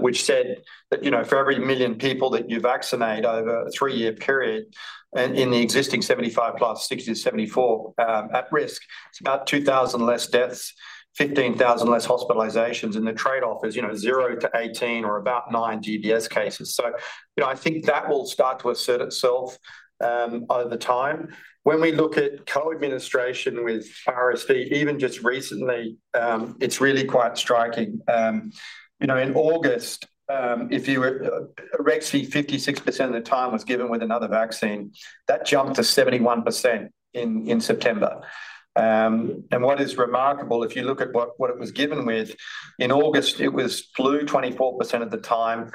which said that for every million people that you vaccinate over a three-year period in the existing 75+, 60-74 at risk, it's about 2,000 less deaths, 15,000 less hospitalizations. And the trade-off is 0-18 or about 9 GBS cases. I think that will start to assert itself over time. When we look at co-administration with RSV, even just recently, it's really quite striking. In August, if you were Arexvy, 56% of the time was given with another vaccine. That jumped to 71% in September. And what is remarkable, if you look at what it was given with, in August, it was flu 24% of the time.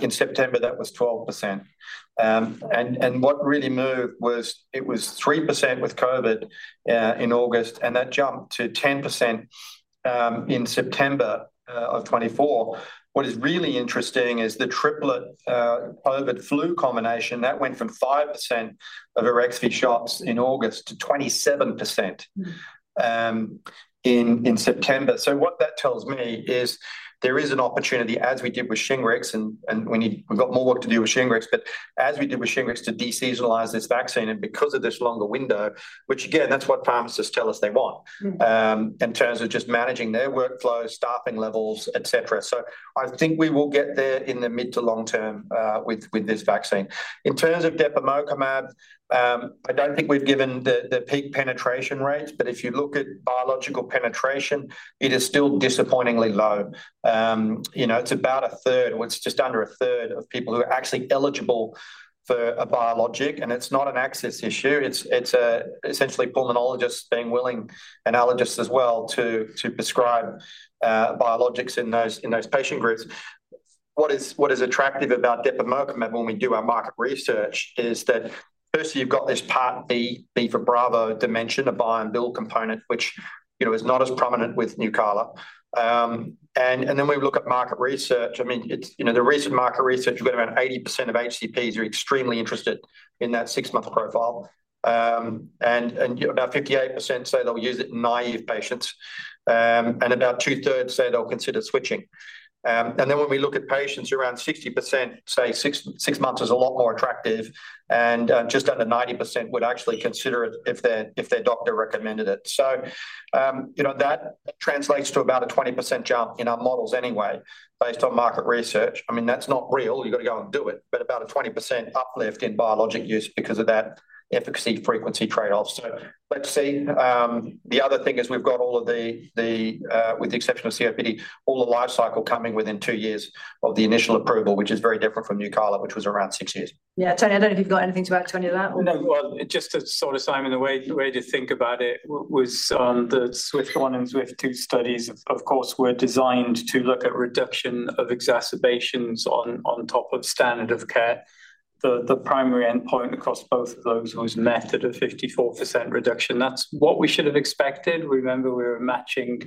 In September, that was 12%. And what really moved was it was 3% with COVID in August, and that jumped to 10% in September of 2024. What is really interesting is the triplet COVID-flu combination. That went from 5% of Arexvy shots in August to 27% in September. So what that tells me is there is an opportunity, as we did with Shingrix, and we've got more work to do with Shingrix, but as we did with Shingrix to deseasonalize this vaccine and because of this longer window, which again, that's what pharmacists tell us they want in terms of just managing their workflow, staffing levels, etc. So I think we will get there in the mid to long term with this vaccine. In terms of Depemokimab, I don't think we've given the peak penetration rates, but if you look at biological penetration, it is still disappointingly low. It's about a third, or it's just under a third of people who are actually eligible for a biologic. And it's not an access issue. It's essentially pulmonologists being willing and allergists as well to prescribe biologics in those patient groups. What is attractive about Depemokimab when we do our market research is that, firstly, you've got this part B, B for Bravo dimension, a buy and build component, which is not as prominent with Nucala. And then we look at market research. I mean, the recent market research, we've got around 80% of HCPs who are extremely interested in that six-month profile. And about 58% say they'll use it in naive patients. And about two-thirds say they'll consider switching. And then when we look at patients, around 60% say six months is a lot more attractive. And just under 90% would actually consider it if their doctor recommended it. So that translates to about a 20% jump in our models anyway, based on market research. I mean, that's not real. You've got to go and do it. But about a 20% uplift in biologic use because of that efficacy-frequency trade-off. So let's see. The other thing is we've got all of the, with the exception of COPD, all the life cycle coming within two years of the initial approval, which is very different from Nucala, which was around six years. Yeah, Tony, I don't know if you've got anything to add, Tony, to that. Just to sort of, Simon, the way to think about it was on the Swift 1 and Swift 2 studies, of course, were designed to look at reduction of exacerbations on top of standard of care. The primary endpoint across both of those was met at a 54% reduction. That's what we should have expected. Remember, we were matching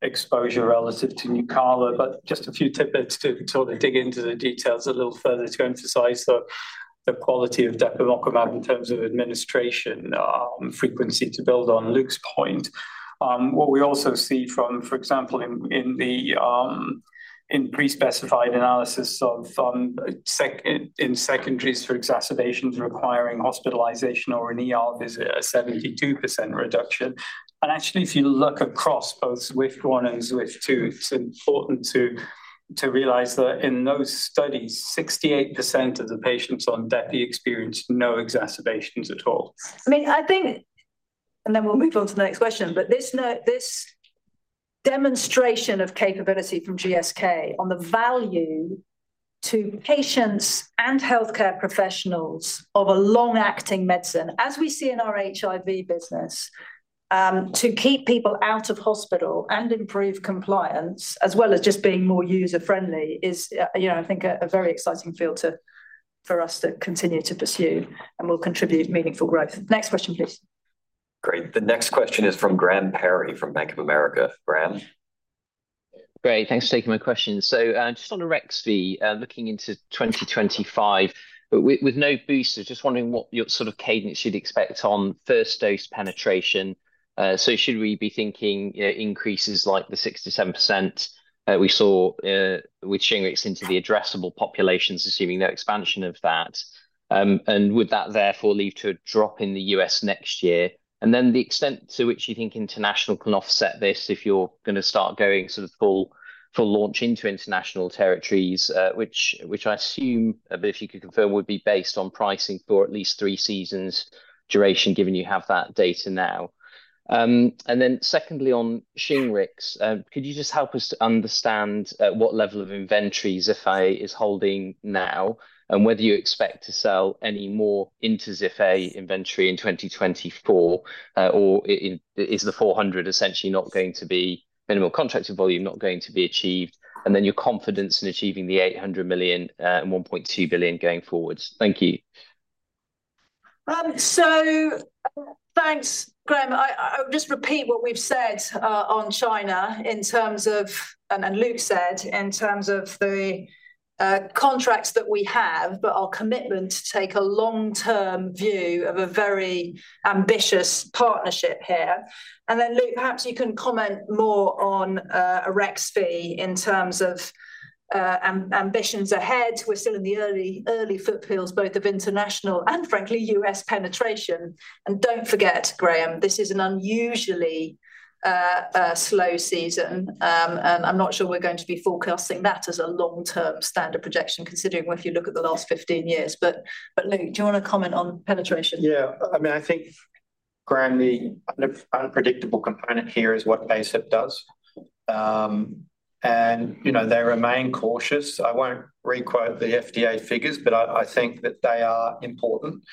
exposure relative to Nucala. Just a few tidbits to sort of dig into the details a little further to emphasize the quality of Depemokimab in terms of administration, frequency to build on Luke's point. What we also see from, for example, in the prespecified analysis of the secondaries for exacerbations requiring hospitalization or an ER visit, a 72% reduction. Actually, if you look across both Swift 1 and Swift 2, it's important to realize that in those studies, 68% of the patients on Depi experienced no exacerbations at all. I mean, I think, and then we'll move on to the next question, but this demonstration of capability from GSK on the value to patients and healthcare professionals of a long-acting medicine, as we see in our HIV business, to keep people out of hospital and improve compliance, as well as just being more user-friendly, is, I think, a very exciting field for us to continue to pursue and will contribute meaningful growth. Next question, please. Great. The next question is from Graham Perry from Bank of America. Graham. Great. Thanks for taking my question. So just on Arexvy, looking into 2025, with no booster, just wondering what your sort of cadence you'd expect on first dose penetration. So should we be thinking increases like the 6%-7% we saw with Shingrix into the addressable populations, assuming no expansion of that? And would that therefore lead to a drop in the U.S. next year? And then the extent to which you think international can offset this if you're going to start going sort of full launch into international territories, which I assume, if you could confirm, would be based on pricing for at least three seasons' duration, given you have that data now. And then secondly, on Shingrix, could you just help us to understand what level of inventory Zhifei is holding now and whether you expect to sell any more into Zhifei inventory in 2024? Or is the 400 essentially not going to be minimal contracting volume not going to be achieved? And then your confidence in achieving the 800 million and 1.2 billion going forwards. Thank you. Thanks, Graham. I'll just repeat what we've said on China in terms of, and Luke said, in terms of the contracts that we have, but our commitment to take a long-term view of a very ambitious partnership here. And then, Luke, perhaps you can comment more on Arexvy in terms of ambitions ahead. We're still in the early footprints, both of international and, frankly, U.S. penetration. And don't forget, Graham, this is an unusually slow season. And I'm not sure we're going to be forecasting that as a long-term standard projection, considering if you look at the last 15 years. But Luke, do you want to comment on penetration? Yeah. I mean, I think, Graham, the unpredictable component here is what ACIP does, and they remain cautious. I won't requote the FDA figures, but I think that they are important.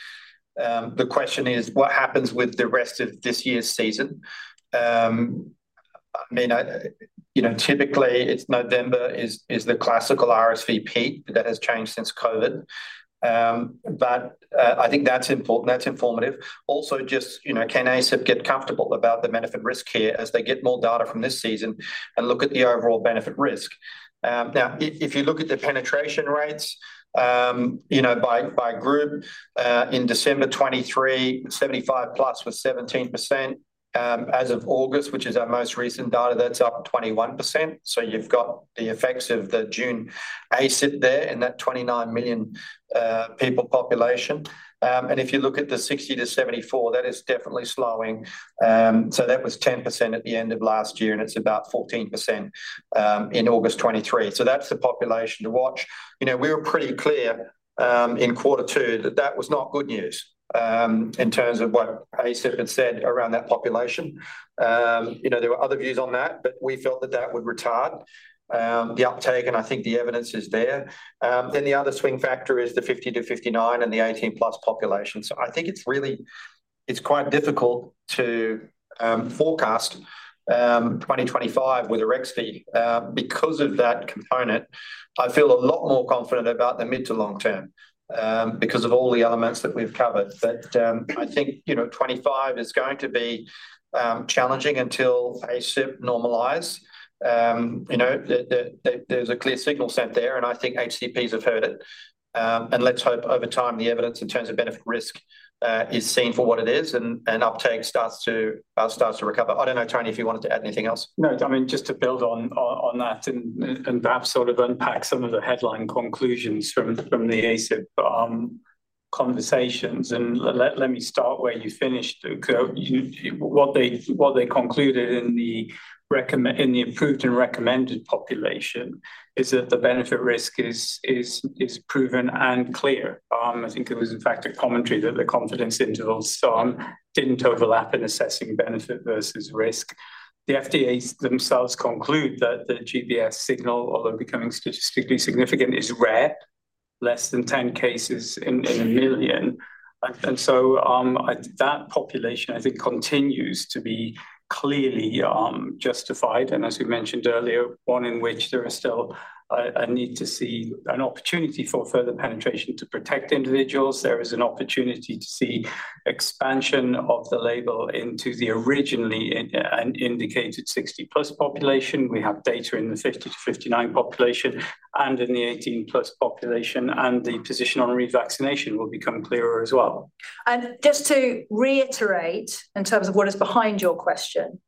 The question is, what happens with the rest of this year's season? I mean, typically, November is the classical RSV peak that has changed since COVID, but I think that's important. That's informative. Also, just can ACIP get comfortable about the benefit risk here as they get more data from this season and look at the overall benefit risk? Now, if you look at the penetration rates by group, in December 2023, 75 plus was 17%. As of August, which is our most recent data, that's up 21%. So you've got the effects of the June ACIP there in that 29 million people population. And if you look at the 60-74, that is definitely slowing. So that was 10% at the end of last year, and it's about 14% in August 2023. So that's the population to watch. We were pretty clear in quarter two that that was not good news in terms of what ACIP had said around that population. There were other views on that, but we felt that that would retard the uptake, and I think the evidence is there. Then the other swing factor is the 50-59 and the 18+ population. So I think it's really quite difficult to forecast 2025 with Arexvy because of that component. I feel a lot more confident about the mid to long term because of all the elements that we've covered. But I think 2025 is going to be challenging until ACIP normalizes. There's a clear signal sent there, and I think HCPs have heard it. Let's hope over time the evidence in terms of benefit risk is seen for what it is and uptake starts to recover. I don't know, Tony, if you wanted to add anything else. No, I mean, just to build on that and perhaps sort of unpack some of the headline conclusions from the ACIP conversations. Let me start where you finished. What they concluded in the approved and recommended population is that the benefit risk is proven and clear. I think it was, in fact, a commentary that the confidence intervals didn't overlap in assessing benefit versus risk. The FDA themselves conclude that the GBS signal, although becoming statistically significant, is rare, less than 10 cases in a million. That population, I think, continues to be clearly justified. As we mentioned earlier, one in which there is still a need to see an opportunity for further penetration to protect individuals. There is an opportunity to see expansion of the label into the originally indicated 60 plus population. We have data in the 50-59 population and in the 18-plus population, and the position on revaccination will become clearer as well. Just to reiterate in terms of what is behind your question,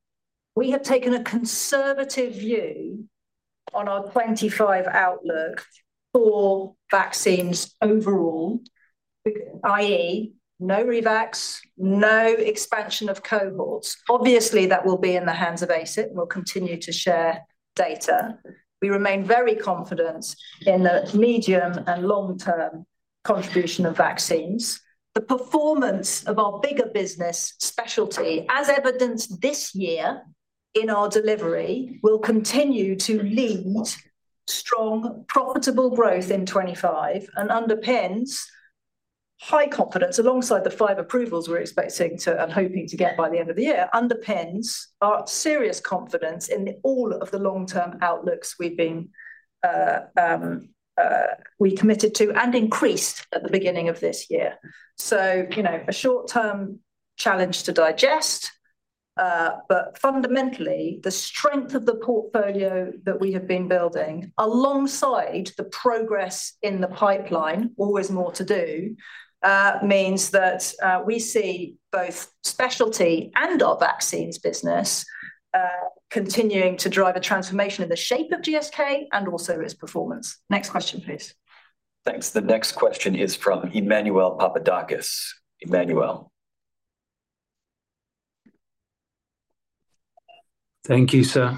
we have taken a conservative view on our 2025 outlook for vaccines overall, i.e., no revax, no expansion of cohorts. Obviously, that will be in the hands of ACIP. We will continue to share data. We remain very confident in the medium- and long-term contribution of vaccines. The performance of our bigger business specialty, as evidenced this year in our delivery, will continue to lead strong, profitable growth in 2025 and underpins high confidence alongside the five approvals we're expecting to and hoping to get by the end of the year, underpins our serious confidence in all of the long-term outlooks we committed to and increased at the beginning of this year. So a short-term challenge to digest. But fundamentally, the strength of the portfolio that we have been building alongside the progress in the pipeline, always more to do, means that we see both specialty and our vaccines business continuing to drive a transformation in the shape of GSK and also its performance. Next question, please. Thanks. The next question is from Emmanuel Papadakis. Emmanuel. Thank you, sir.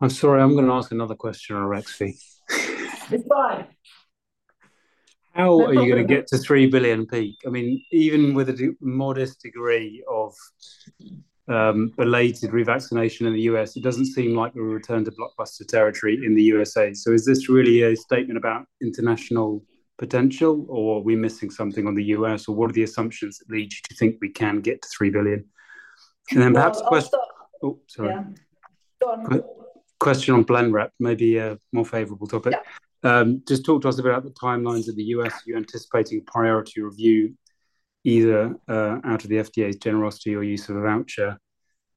I'm sorry. I'm going to ask another question on Arexvy. It's fine. How are you going to get to 3 billion peak? I mean, even with a modest degree of belated revaccination in the U.S., it doesn't seem like we're returned to blockbuster territory in the USA. So is this really a statement about international potential, or are we missing something on the U.S., or what are the assumptions that lead you to think we can get to 3 billion? And then perhaps a question. Oh, sorry. Question on Blenrep. Maybe a more favorable topic. Just talk to us about the timelines of the U.S. you're anticipating priority review, either out of the FDA's generosity or use of a voucher.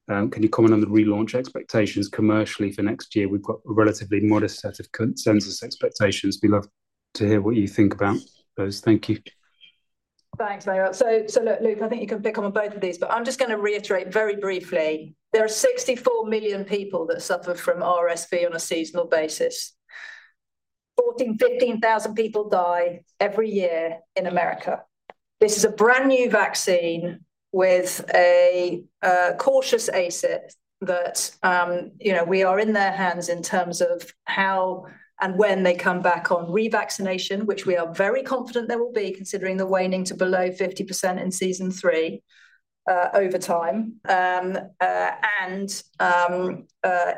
Can you comment on the relaunch expectations commercially for next year? We've got a relatively modest set of consensus expectations. We'd love to hear what you think about those. Thank you. Thanks, Daniel. So look, Luke, I think you can pick on both of these. But I'm just going to reiterate very briefly. There are 64 million people that suffer from RSV on a seasonal basis. 14,000-15,000 people die every year in America. This is a brand new vaccine with a cautious ACIP that we are in their hands in terms of how and when they come back on revaccination, which we are very confident there will be considering the waning to below 50% in season three over time, and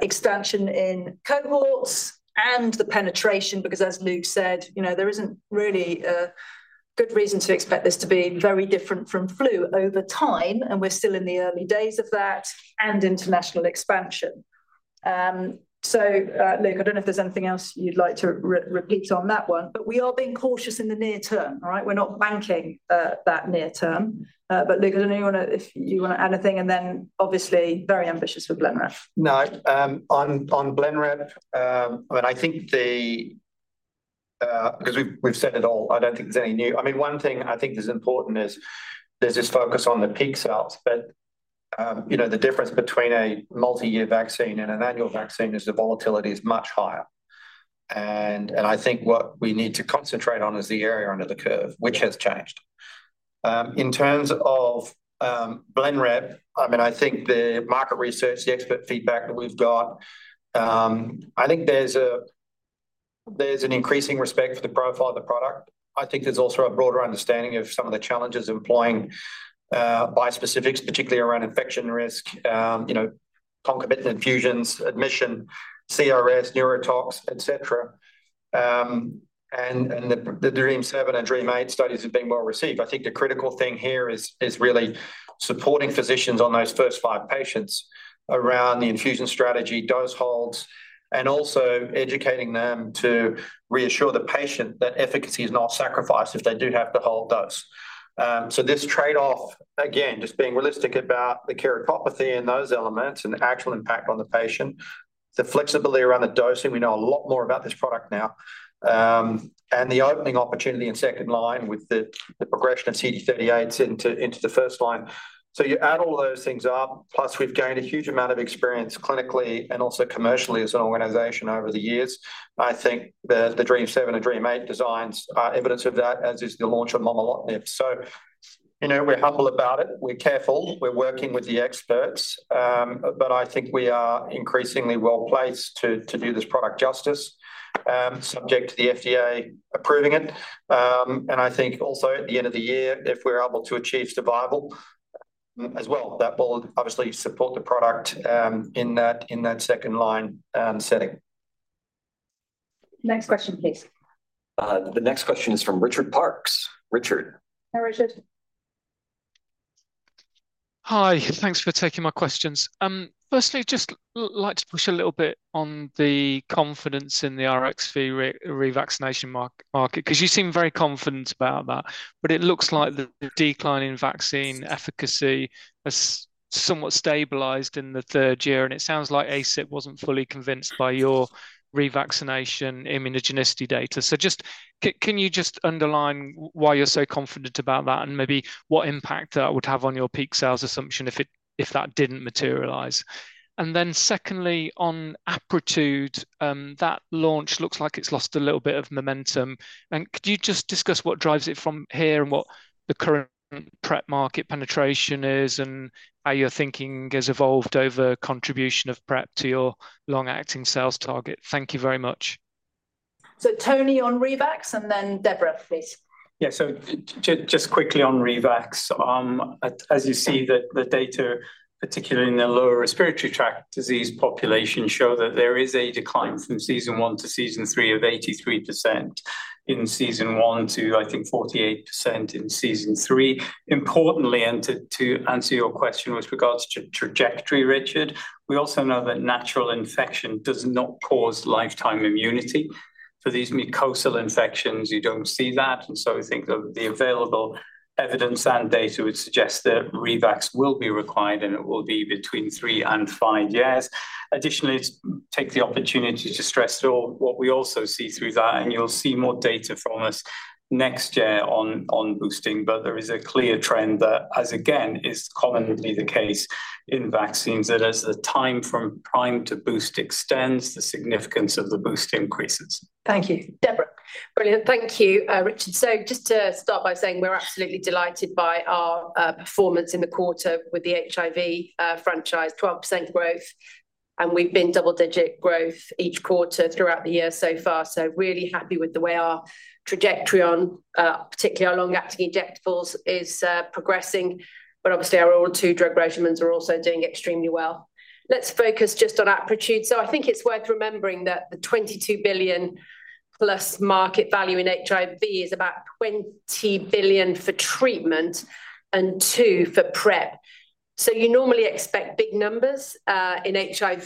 expansion in cohorts, and the penetration, because as Luke said, there isn't really a good reason to expect this to be very different from flu over time. And we're still in the early days of that and international expansion. So Luke, I don't know if there's anything else you'd like to repeat on that one. But we are being cautious in the near term. We're not banking that near term. But Luke, I don't know if you want to add anything, and then obviously very ambitious for Blenrep. No. On Blenrep, I mean, I think that's because we've said it all. I don't think there's any new. I mean, one thing I think is important is there's this focus on the peak sales. But the difference between a multi-year vaccine and an annual vaccine is the volatility is much higher. And I think what we need to concentrate on is the area under the curve, which has changed. In terms of Blenrep, I mean, I think the market research, the expert feedback that we've got, I think there's an increasing respect for the profile of the product. I think there's also a broader understanding of some of the challenges employing bispecifics, particularly around infection risk, concomitant infusions, admission, CRS, neurotoxicity, etc. And the DREAMM-7 and DREAMM-8 studies have been well received. I think the critical thing here is really supporting physicians on those first five patients around the infusion strategy, dose holds, and also educating them to reassure the patient that efficacy is not sacrificed if they do have to hold dose. So this trade-off, again, just being realistic about the keratopathy and those elements and the actual impact on the patient, the flexibility around the dosing, we know a lot more about this product now, and the opening opportunity in second line with the progression of CD38s into the first line. So you add all those things up, plus we've gained a huge amount of experience clinically and also commercially as an organization over the years. I think the Dream 7 and Dream 8 designs are evidence of that, as is the launch of momelotinib. So we're humble about it. We're careful. We're working with the experts. I think we are increasingly well placed to do this product justice, subject to the FDA approving it. I think also at the end of the year, if we're able to achieve survival as well, that will obviously support the product in that second line setting. Next question, please. The next question is from Richard Parks. Richard. Hi, Richard. Hi. Thanks for taking my questions. First, just like to push a little bit on the confidence in the RSV revaccination market because you seem very confident about that. But it looks like the decline in vaccine efficacy has somewhat stabilized in the third year. And it sounds like ACIP wasn't fully convinced by your revaccination immunogenicity data. So can you just underline why you're so confident about that and maybe what impact that would have on your peak sales assumption if that didn't materialize? And then second, on Apretude that launch looks like it's lost a little bit of momentum. And could you just discuss what drives it from here and what the current PrEP market penetration is and how your thinking has evolved over contribution of PrEP to your long-acting sales target? Thank you very much. So, Tony, on Arexvy and then Deborah, please. Yeah. So just quickly on Arexvy. As you see, the data, particularly in the lower respiratory tract disease population, show that there is a decline from season one to season three of 83% in season one to, I think, 48% in season three. Importantly, and to answer your question with regards to trajectory, Richard, we also know that natural infection does not cause lifetime immunity. For these mucosal infections, you don't see that. And so I think the available evidence and data would suggest that revaccination will be required, and it will be between three and five years. Additionally, take the opportunity to stress what we also see through that, and you'll see more data from us next year on boosting. But there is a clear trend that, as again is commonly the case in vaccines, that as the time from prime to boost extends, the significance of the boost increases. Thank you. Deborah. Brilliant. Thank you, Richard. So just to start by saying we're absolutely delighted by our performance in the quarter with the HIV franchise, 12% growth. And we've been double-digit growth each quarter throughout the year so far. So really happy with the way our trajectory on particularly our long-acting injectables is progressing. But obviously, our all two drug regimens are also doing extremely well. Let's focus just on Apretude. So I think it's worth remembering that the $22 billion-plus market value in HIV is about $20 billion for treatment and $2 billion for prep. So you normally expect big numbers in HIV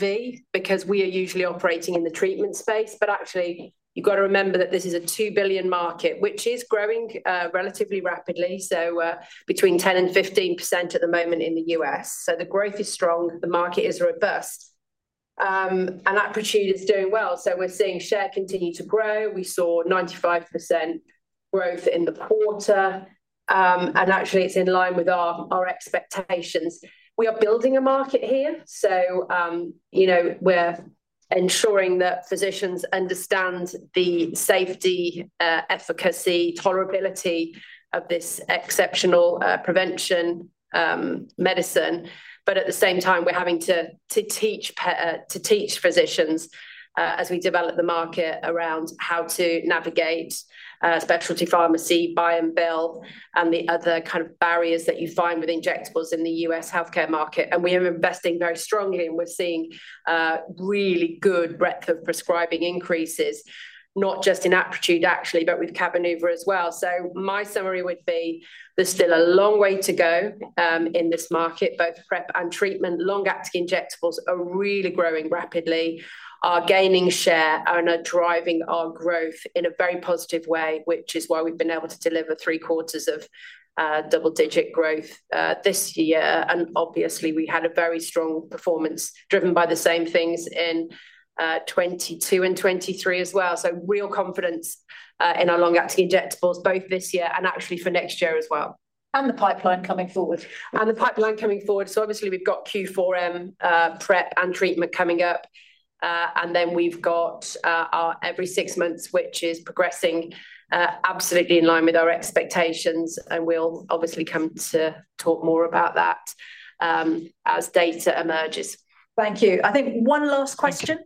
because we are usually operating in the treatment space. But actually, you've got to remember that this is a $2 billion market, which is growing relatively rapidly, so between 10%-15% at the moment in the U.S. So the growth is strong. The market is robust. And Apretude is doing well. So we're seeing share continue to grow. We saw 95% growth in the quarter. And actually, it's in line with our expectations. We are building a market here. So we're ensuring that physicians understand the safety, efficacy, tolerability of this exceptional prevention medicine. But at the same time, we're having to teach physicians as we develop the market around how to navigate specialty pharmacy, buy and bill, and the other kind of barriers that you find with injectables in the U.S. healthcare market. And we are investing very strongly, and we're seeing really good breadth of prescribing increases, not just in Apretude actually, but with Cabenuva as well. So my summary would be there's still a long way to go in this market. Both prep and treatment, long-acting injectables are really growing rapidly, are gaining share, and are driving our growth in a very positive way, which is why we've been able to deliver three quarters of double-digit growth this year. And obviously, we had a very strong performance driven by the same things in 2022 and 2023 as well. So real confidence in our long-acting injectables both this year and actually for next year as well. And the pipeline coming forward. So obviously, we've got Q4M prep and treatment coming up. And then we've got our every six months, which is progressing absolutely in line with our expectations. And we'll obviously come to talk more about that as data emerges. Thank you. I think one last question.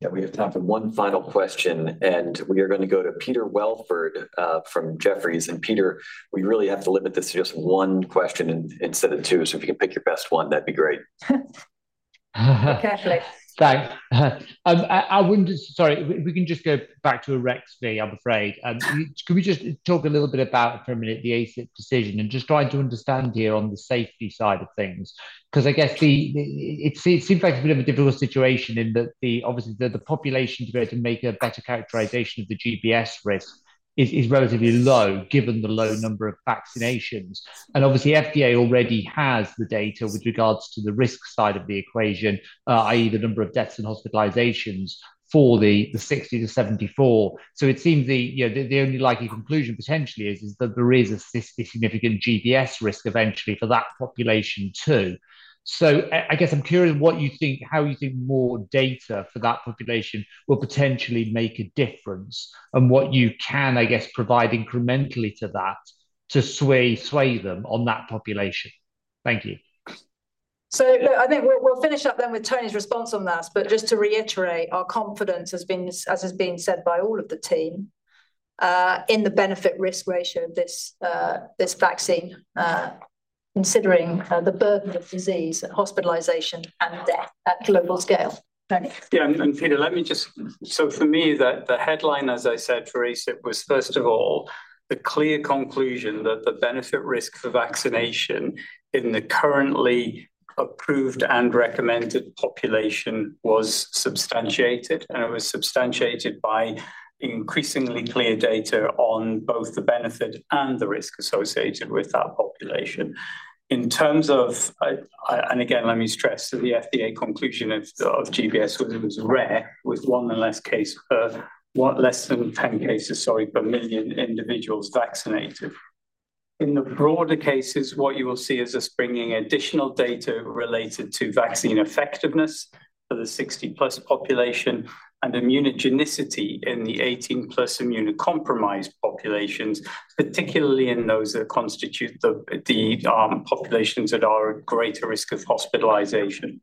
Yeah, we have time for one final question. And we are going to go to Peter Welford from Jefferies. And Peter, we really have to limit this to just one question instead of two. So if you can pick your best one, that'd be great. Okay, thanks. Sorry, if we can just go back to Arexvy, I'm afraid. Could we just talk a little bit about for a minute the ACIP decision and just trying to understand here on the safety side of things? Because I guess it seems like a bit of a difficult situation in that obviously the population to be able to make a better characterisation of the GBS risk is relatively low given the low number of vaccinations. And obviously, FDA already has the data with regards to the risk side of the equation, i.e., the number of deaths and hospitalisations for the 60-74. So it seems the only likely conclusion potentially is that there is a significant GBS risk eventually for that population too. So, I guess I'm curious what you think, how you think more data for that population will potentially make a difference, and what you can, I guess, provide incrementally to that to sway them on that population. Thank you. So I think we'll finish up then with Tony's response on that. But just to reiterate, our confidence, as has been said by all of the team, in the benefit-risk ratio of this vaccine, considering the burden of disease, hospitalization, and death at global scale. Thanks. Yeah. Peter, let me just say for me, the headline, as I said, Theresa, it was first of all the clear conclusion that the benefit-risk for vaccination in the currently approved and recommended population was substantiated. It was substantiated by increasingly clear data on both the benefit and the risk associated with that population. In terms of, and again, let me stress that the FDA conclusion of GBS was rare with one or less cases, less than 10 cases per million individuals vaccinated. In the broader cases, what you will see is us bringing additional data related to vaccine effectiveness for the 60+ population and immunogenicity in the 18+ immunocompromised populations, particularly in those that constitute the populations that are at greater risk of hospitalization.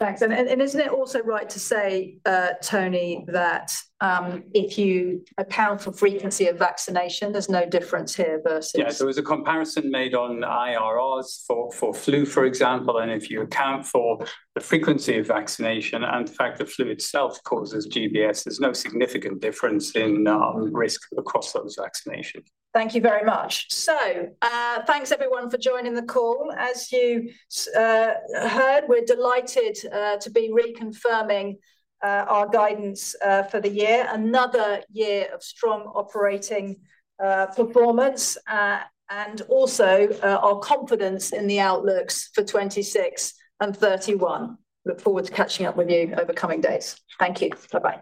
Thanks. And isn't it also right to say, Tony, that if you account for frequency of vaccination, there's no difference here versus? Yeah. There was a comparison made on IRRs for flu, for example. And if you account for the frequency of vaccination and the fact that flu itself causes GBS, there's no significant difference in risk across those vaccinations. Thank you very much. So thanks, everyone, for joining the call. As you heard, we're delighted to be reconfirming our guidance for the year, another year of strong operating performance, and also our confidence in the outlooks for 2026 and 2031. Look forward to catching up with you over coming days. Thank you. Bye-bye.